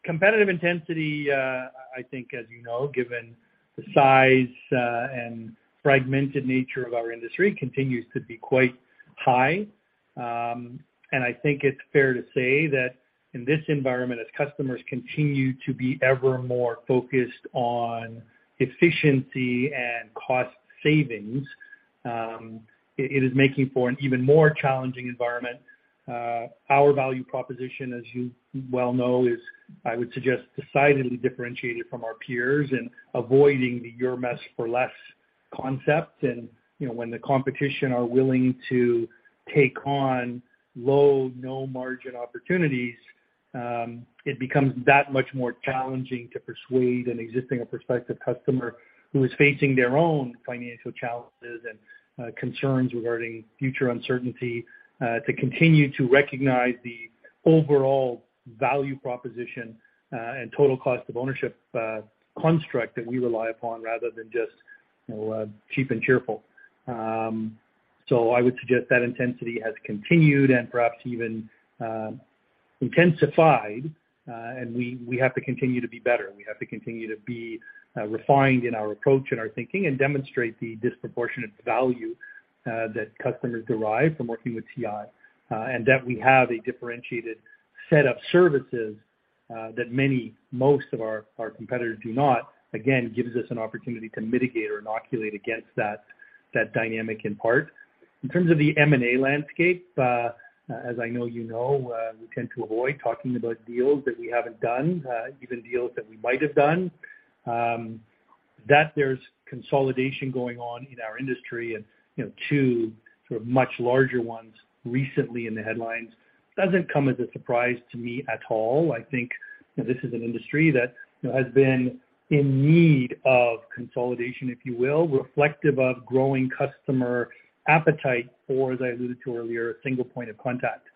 S3: Competitive intensity, I think as you know, given the size, and fragmented nature of our industry continues to be quite high. I think it's fair to say that in this environment, as customers continue to be ever more focused on efficiency and cost savings, it is making for an even more challenging environment. Our value proposition, as you well know, is, I would suggest, decidedly differentiated from our peers and avoiding the your mess for less concept. When the competition are willing to take on low, no margin opportunities, it becomes that much more challenging to persuade an existing or prospective customer who is facing their own financial challenges and concerns regarding future uncertainty to continue to recognize the overall value proposition and total cost of ownership construct that we rely upon rather than just, you know, cheap and cheerful. I would suggest that intensity has continued and perhaps even intensified, and we have to continue to be better. We have to continue to be refined in our approach and our thinking and demonstrate the disproportionate value that customers derive from working with TI. That we have a differentiated set of services that most of our competitors do not, again, gives us an opportunity to mitigate or inoculate against that dynamic in part. In terms of the M&A landscape, as I know you know, we tend to avoid talking about deals that we haven't done, even deals that we might have done. That there's consolidation going on in our industry and, you know, two sort of much larger ones recently in the headlines doesn't come as a surprise to me at all. I think, you know, this is an industry that, you know, has been in need of consolidation, if you will, reflective of growing customer appetite for, as I alluded to earlier, a single point of contact.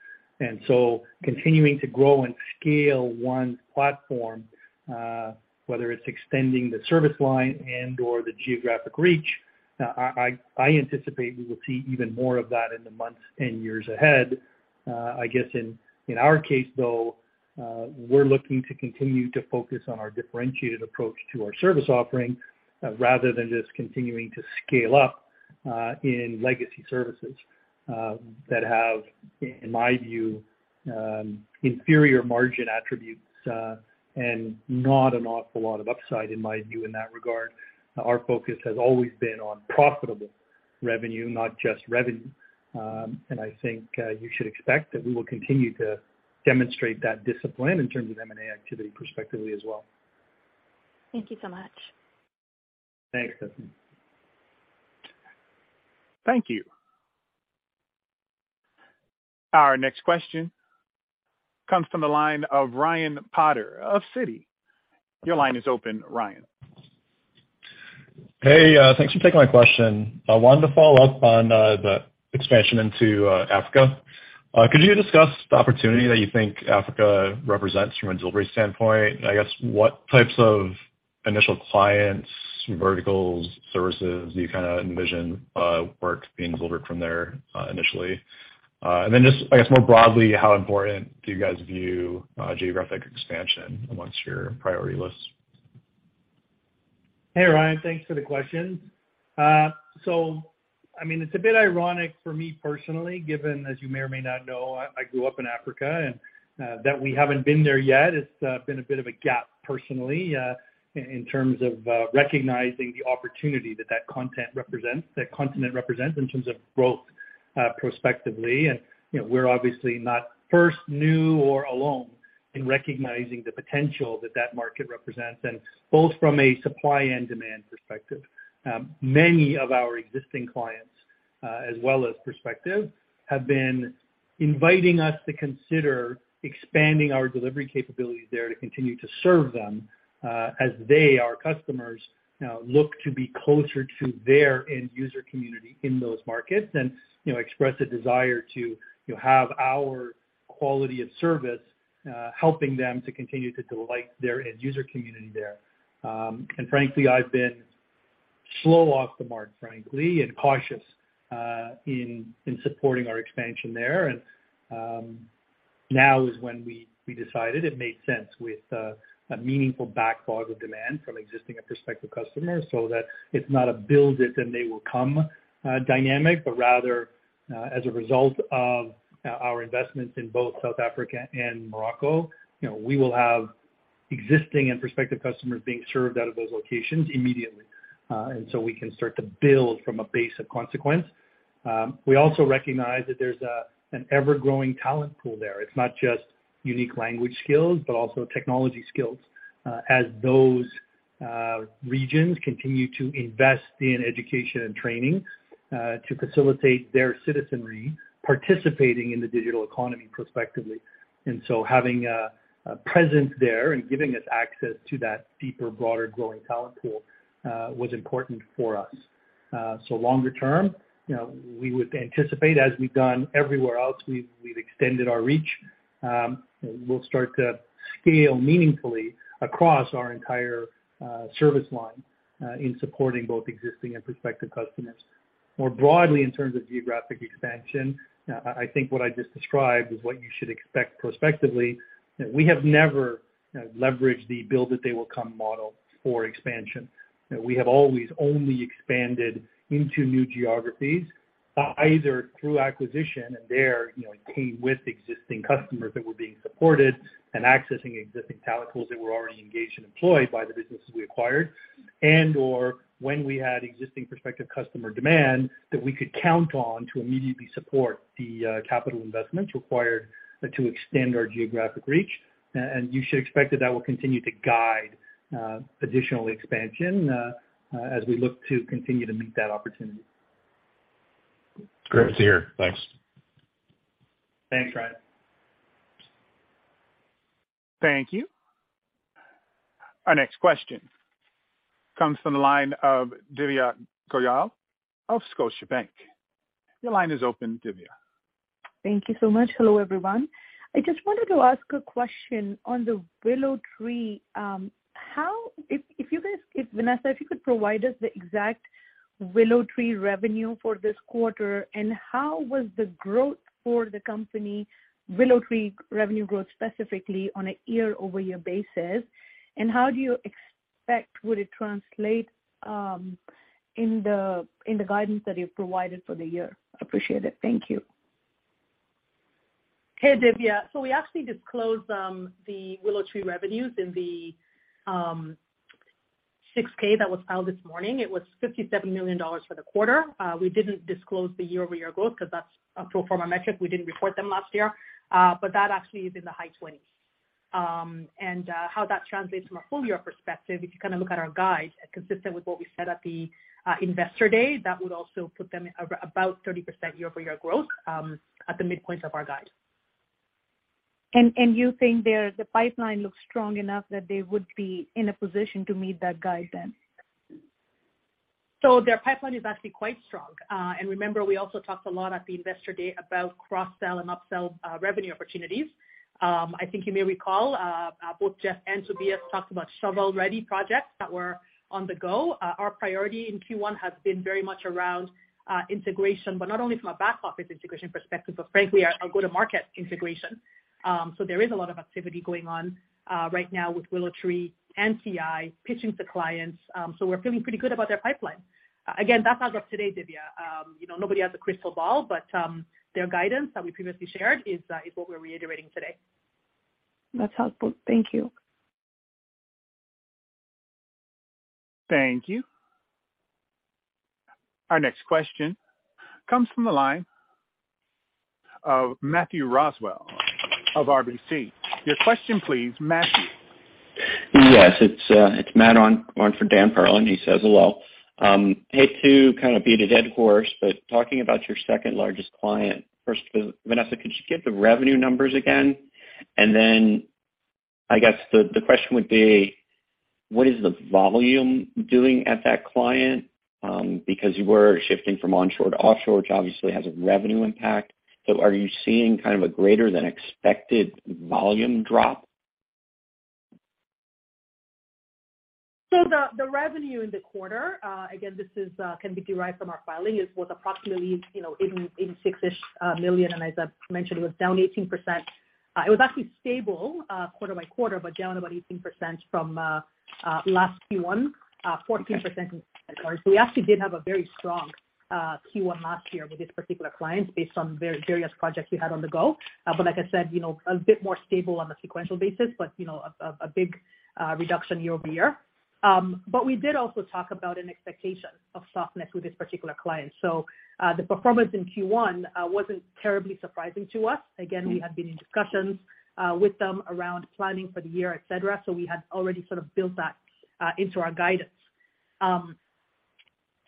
S3: Continuing to grow and scale 1 platform, whether it's extending the service line and/or the geographic reach, I anticipate we will see even more of that in the months and years ahead. I guess in our case, though, we're looking to continue to focus on our differentiated approach to our service offering rather than just continuing to scale up in legacy services that have, in my view, inferior margin attributes, and not an awful lot of upside in my view in that regard. Our focus has always been on profitable revenue, not just revenue. I think you should expect that we will continue to demonstrate that discipline in terms of M&A activity prospectively as well.
S11: Thank you so much.
S3: Thanks, Stephanie.
S1: Thank you. Our next question comes from the line of Ryan Potter of Citi. Your line is open, Ryan.
S12: Hey, thanks for taking my question. I wanted to follow up on the expansion into Africa. Could you discuss the opportunity that you think Africa represents from a delivery standpoint? I guess what types of initial clients, verticals, services do you kinda envision work being delivered from there initially? Just I guess more broadly, how important do you guys view geographic expansion and what's your priority list?
S3: Hey, Ryan. Thanks for the question. I mean, it's a bit ironic for me personally, given, as you may or may not know, I grew up in Africa and that we haven't been there yet. It's been a bit of a gap personally, in terms of recognizing the opportunity that continent represents in terms of growth, prospectively. You know, we're obviously not first, new or alone in recognizing the potential that that market represents. Both from a supply and demand perspective, many of our existing clients, as well as prospective, have been inviting us to consider expanding our delivery capabilities there to continue to serve them, as they, our customers, you know, look to be closer to their end user community in those markets. You know, express a desire to, you know, have our quality of service helping them to continue to delight their end user community there. Frankly, I've been slow off the mark, frankly, and cautious in supporting our expansion there. Now is when we decided it made sense with a meaningful backlog of demand from existing and prospective customers so that it's not a build it and they will come dynamic. Rather, as a result of our investments in both South Africa and Morocco, you know, we will have existing and prospective customers being served out of those locations immediately. So we can start to build from a base of consequence. We also recognize that there's an ever-growing talent pool there. It's not just unique language skills, but also technology skills, as those regions continue to invest in education and training to facilitate their citizenry participating in the digital economy prospectively. Having a presence there and giving us access to that deeper, broader growing talent pool was important for us. Longer term, you know, we would anticipate as we've done everywhere else, we've extended our reach. We'll start to scale meaningfully across our entire service line in supporting both existing and prospective customers. More broadly, in terms of geographic expansion, I think what I just described is what you should expect prospectively. You know, we have never leveraged the build that they will come model for expansion. You know, we have always only expanded into new geographies, either through acquisition and there, you know, in tandem with existing customers that were being supported and accessing existing talent pools that were already engaged and employed by the businesses we acquired. And/or when we had existing prospective customer demand that we could count on to immediately support the capital investments required to extend our geographic reach. You should expect that that will continue to guide additional expansion as we look to continue to meet that opportunity.
S12: Great to hear. Thanks.
S3: Thanks, Ryan.
S1: Thank you. Our next question comes from the line of Divya Goyal of Scotiabank. Your line is open, Divya.
S13: Thank you so much. Hello, everyone. I just wanted to ask a question on the WillowTree. If you guys, if Vanessa, if you could provide us the exact WillowTree revenue for this quarter, and how was the growth for the company, WillowTree revenue growth specifically on a year-over-year basis? Expect would it translate, in the, in the guidance that you've provided for the year? Appreciate it. Thank you.
S4: Divya. We actually disclosed the WillowTree revenues in the 6-K that was filed this morning. It was $57 million for the quarter. We didn't disclose the year-over-year growth because that's a pro forma metric. We didn't report them last year. That actually is in the high 20s. How that translates from a full year perspective, if you kind of look at our guide, consistent with what we said at the Investor Day, that would also put them about 30% year-over-year growth at the midpoint of our guide.
S13: You think the pipeline looks strong enough that they would be in a position to meet that guidance?
S4: Their pipeline is actually quite strong. Remember, we also talked a lot at the Investor Day about cross-sell and upsell revenue opportunities. I think you may recall, both Jeff and Tobias talked about shovel-ready projects that were on the go. Our priority in Q1 has been very much around integration, but not only from a back-office integration perspective, but frankly, our go-to-market integration. There is a lot of activity going on right now with WillowTree and TI pitching to clients. We're feeling pretty good about their pipeline. Again, that's as of today, Divya. You know, nobody has a crystal ball, but their guidance that we previously shared is what we're reiterating today.
S13: That's helpful. Thank you.
S1: Thank you. Our next question comes from the line of Matthew Roswell of RBC. Your question, please, Matthew.
S14: Yes. It's Matt on for Daniel Perlin. He says hello. Hate to kind of beat a dead horse, talking about your second-largest client. First, Vanessa, could you give the revenue numbers again? Then I guess the question would be, what is the volume doing at that client? Because you were shifting from onshore to offshore, which obviously has a revenue impact. Are you seeing kind of a greater than expected volume drop?
S4: The, the revenue in the quarter, again, this is, can be derived from our filing, is worth approximately, you know, $86-ish million, and as I mentioned, was down 18%. It was actually stable, quarter-over-quarter, but down about 18% from last Q1, 14% in Q4. We actually did have a very strong Q1 last year with this particular client based on various projects we had on the go. But like I said, you know, a bit more stable on a sequential basis, but, you know, a big reduction year-over-year. But we did also talk about an expectation of softness with this particular client. The performance in Q1 wasn't terribly surprising to us. Again, we had been in discussions with them around planning for the year, et cetera. We had already sort of built that into our guidance.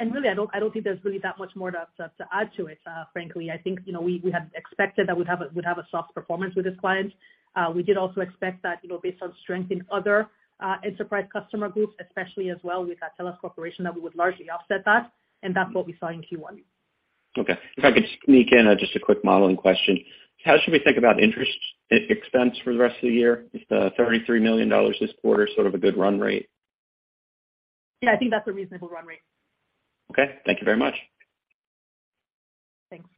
S4: Really, I don't think there's really that much more to add to it, frankly. I think, you know, we had expected that we'd have a soft performance with this client. We did also expect that, you know, based on strength in other enterprise customer groups, especially as well with TELUS Corporation, that we would largely offset that, and that's what we saw in Q1.
S14: Okay. If I could sneak in just a quick modeling question. How should we think about interest expense for the rest of the year? Is the $33 million this quarter sort of a good run rate?
S4: Yeah, I think that's a reasonable run rate.
S14: Okay. Thank you very much.
S4: Thanks.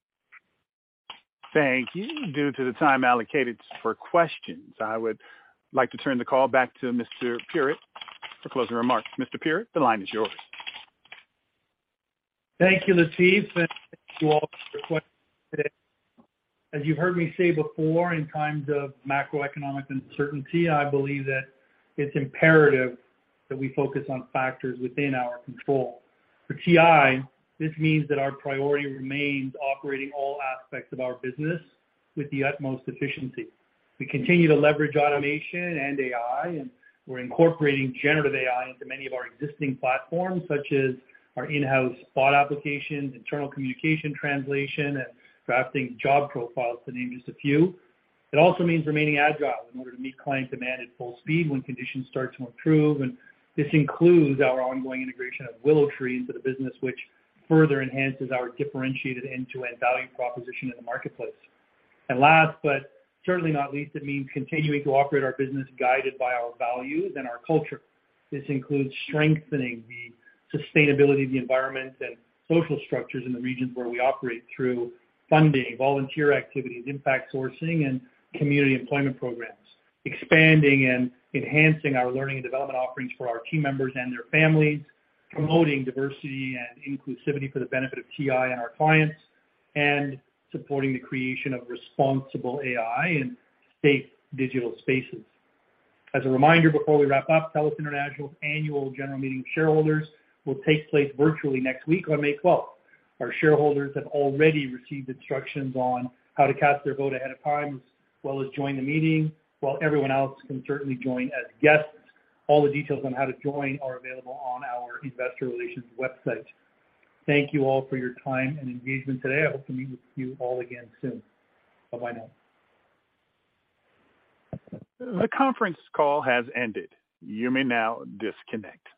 S1: Thank you. Due to the time allocated for questions, I would like to turn the call back to Mr. Puritt for closing remarks. Mr. Puritt, the line is yours.
S3: Thank you, Latif, and thank you all for your questions today. As you've heard me say before, in times of macroeconomic uncertainty, I believe that it's imperative that we focus on factors within our control. For TI, this means that our priority remains operating all aspects of our business with the utmost efficiency. We continue to leverage automation and AI, and we're incorporating generative AI into many of our existing platforms, such as our in-house bot applications, internal communication translation, and drafting job profiles, to name just a few. It also means remaining agile in order to meet client demand at full speed when conditions start to improve. This includes our ongoing integration of WillowTree into the business, which further enhances our differentiated end-to-end value proposition in the marketplace. Last, but certainly not least, it means continuing to operate our business guided by our values and our culture. This includes strengthening the sustainability of the environment and social structures in the regions where we operate through funding, volunteer activities, Impact Sourcing and community employment programs. Expanding and enhancing our learning and development offerings for our team members and their families. Promoting diversity and inclusivity for the benefit of TI and our clients, and supporting the creation of responsible AI and safe digital spaces. As a reminder, before we wrap up, TELUS International's annual general meeting of shareholders will take place virtually next week on May 12th. Our shareholders have already received instructions on how to cast their vote ahead of time, as well as join the meeting, while everyone else can certainly join as guests. All the details on how to join are available on our investor relations website. Thank you all for your time and engagement today. I hope to meet with you all again soon. Bye-bye now.
S1: The conference call has ended. You may now disconnect.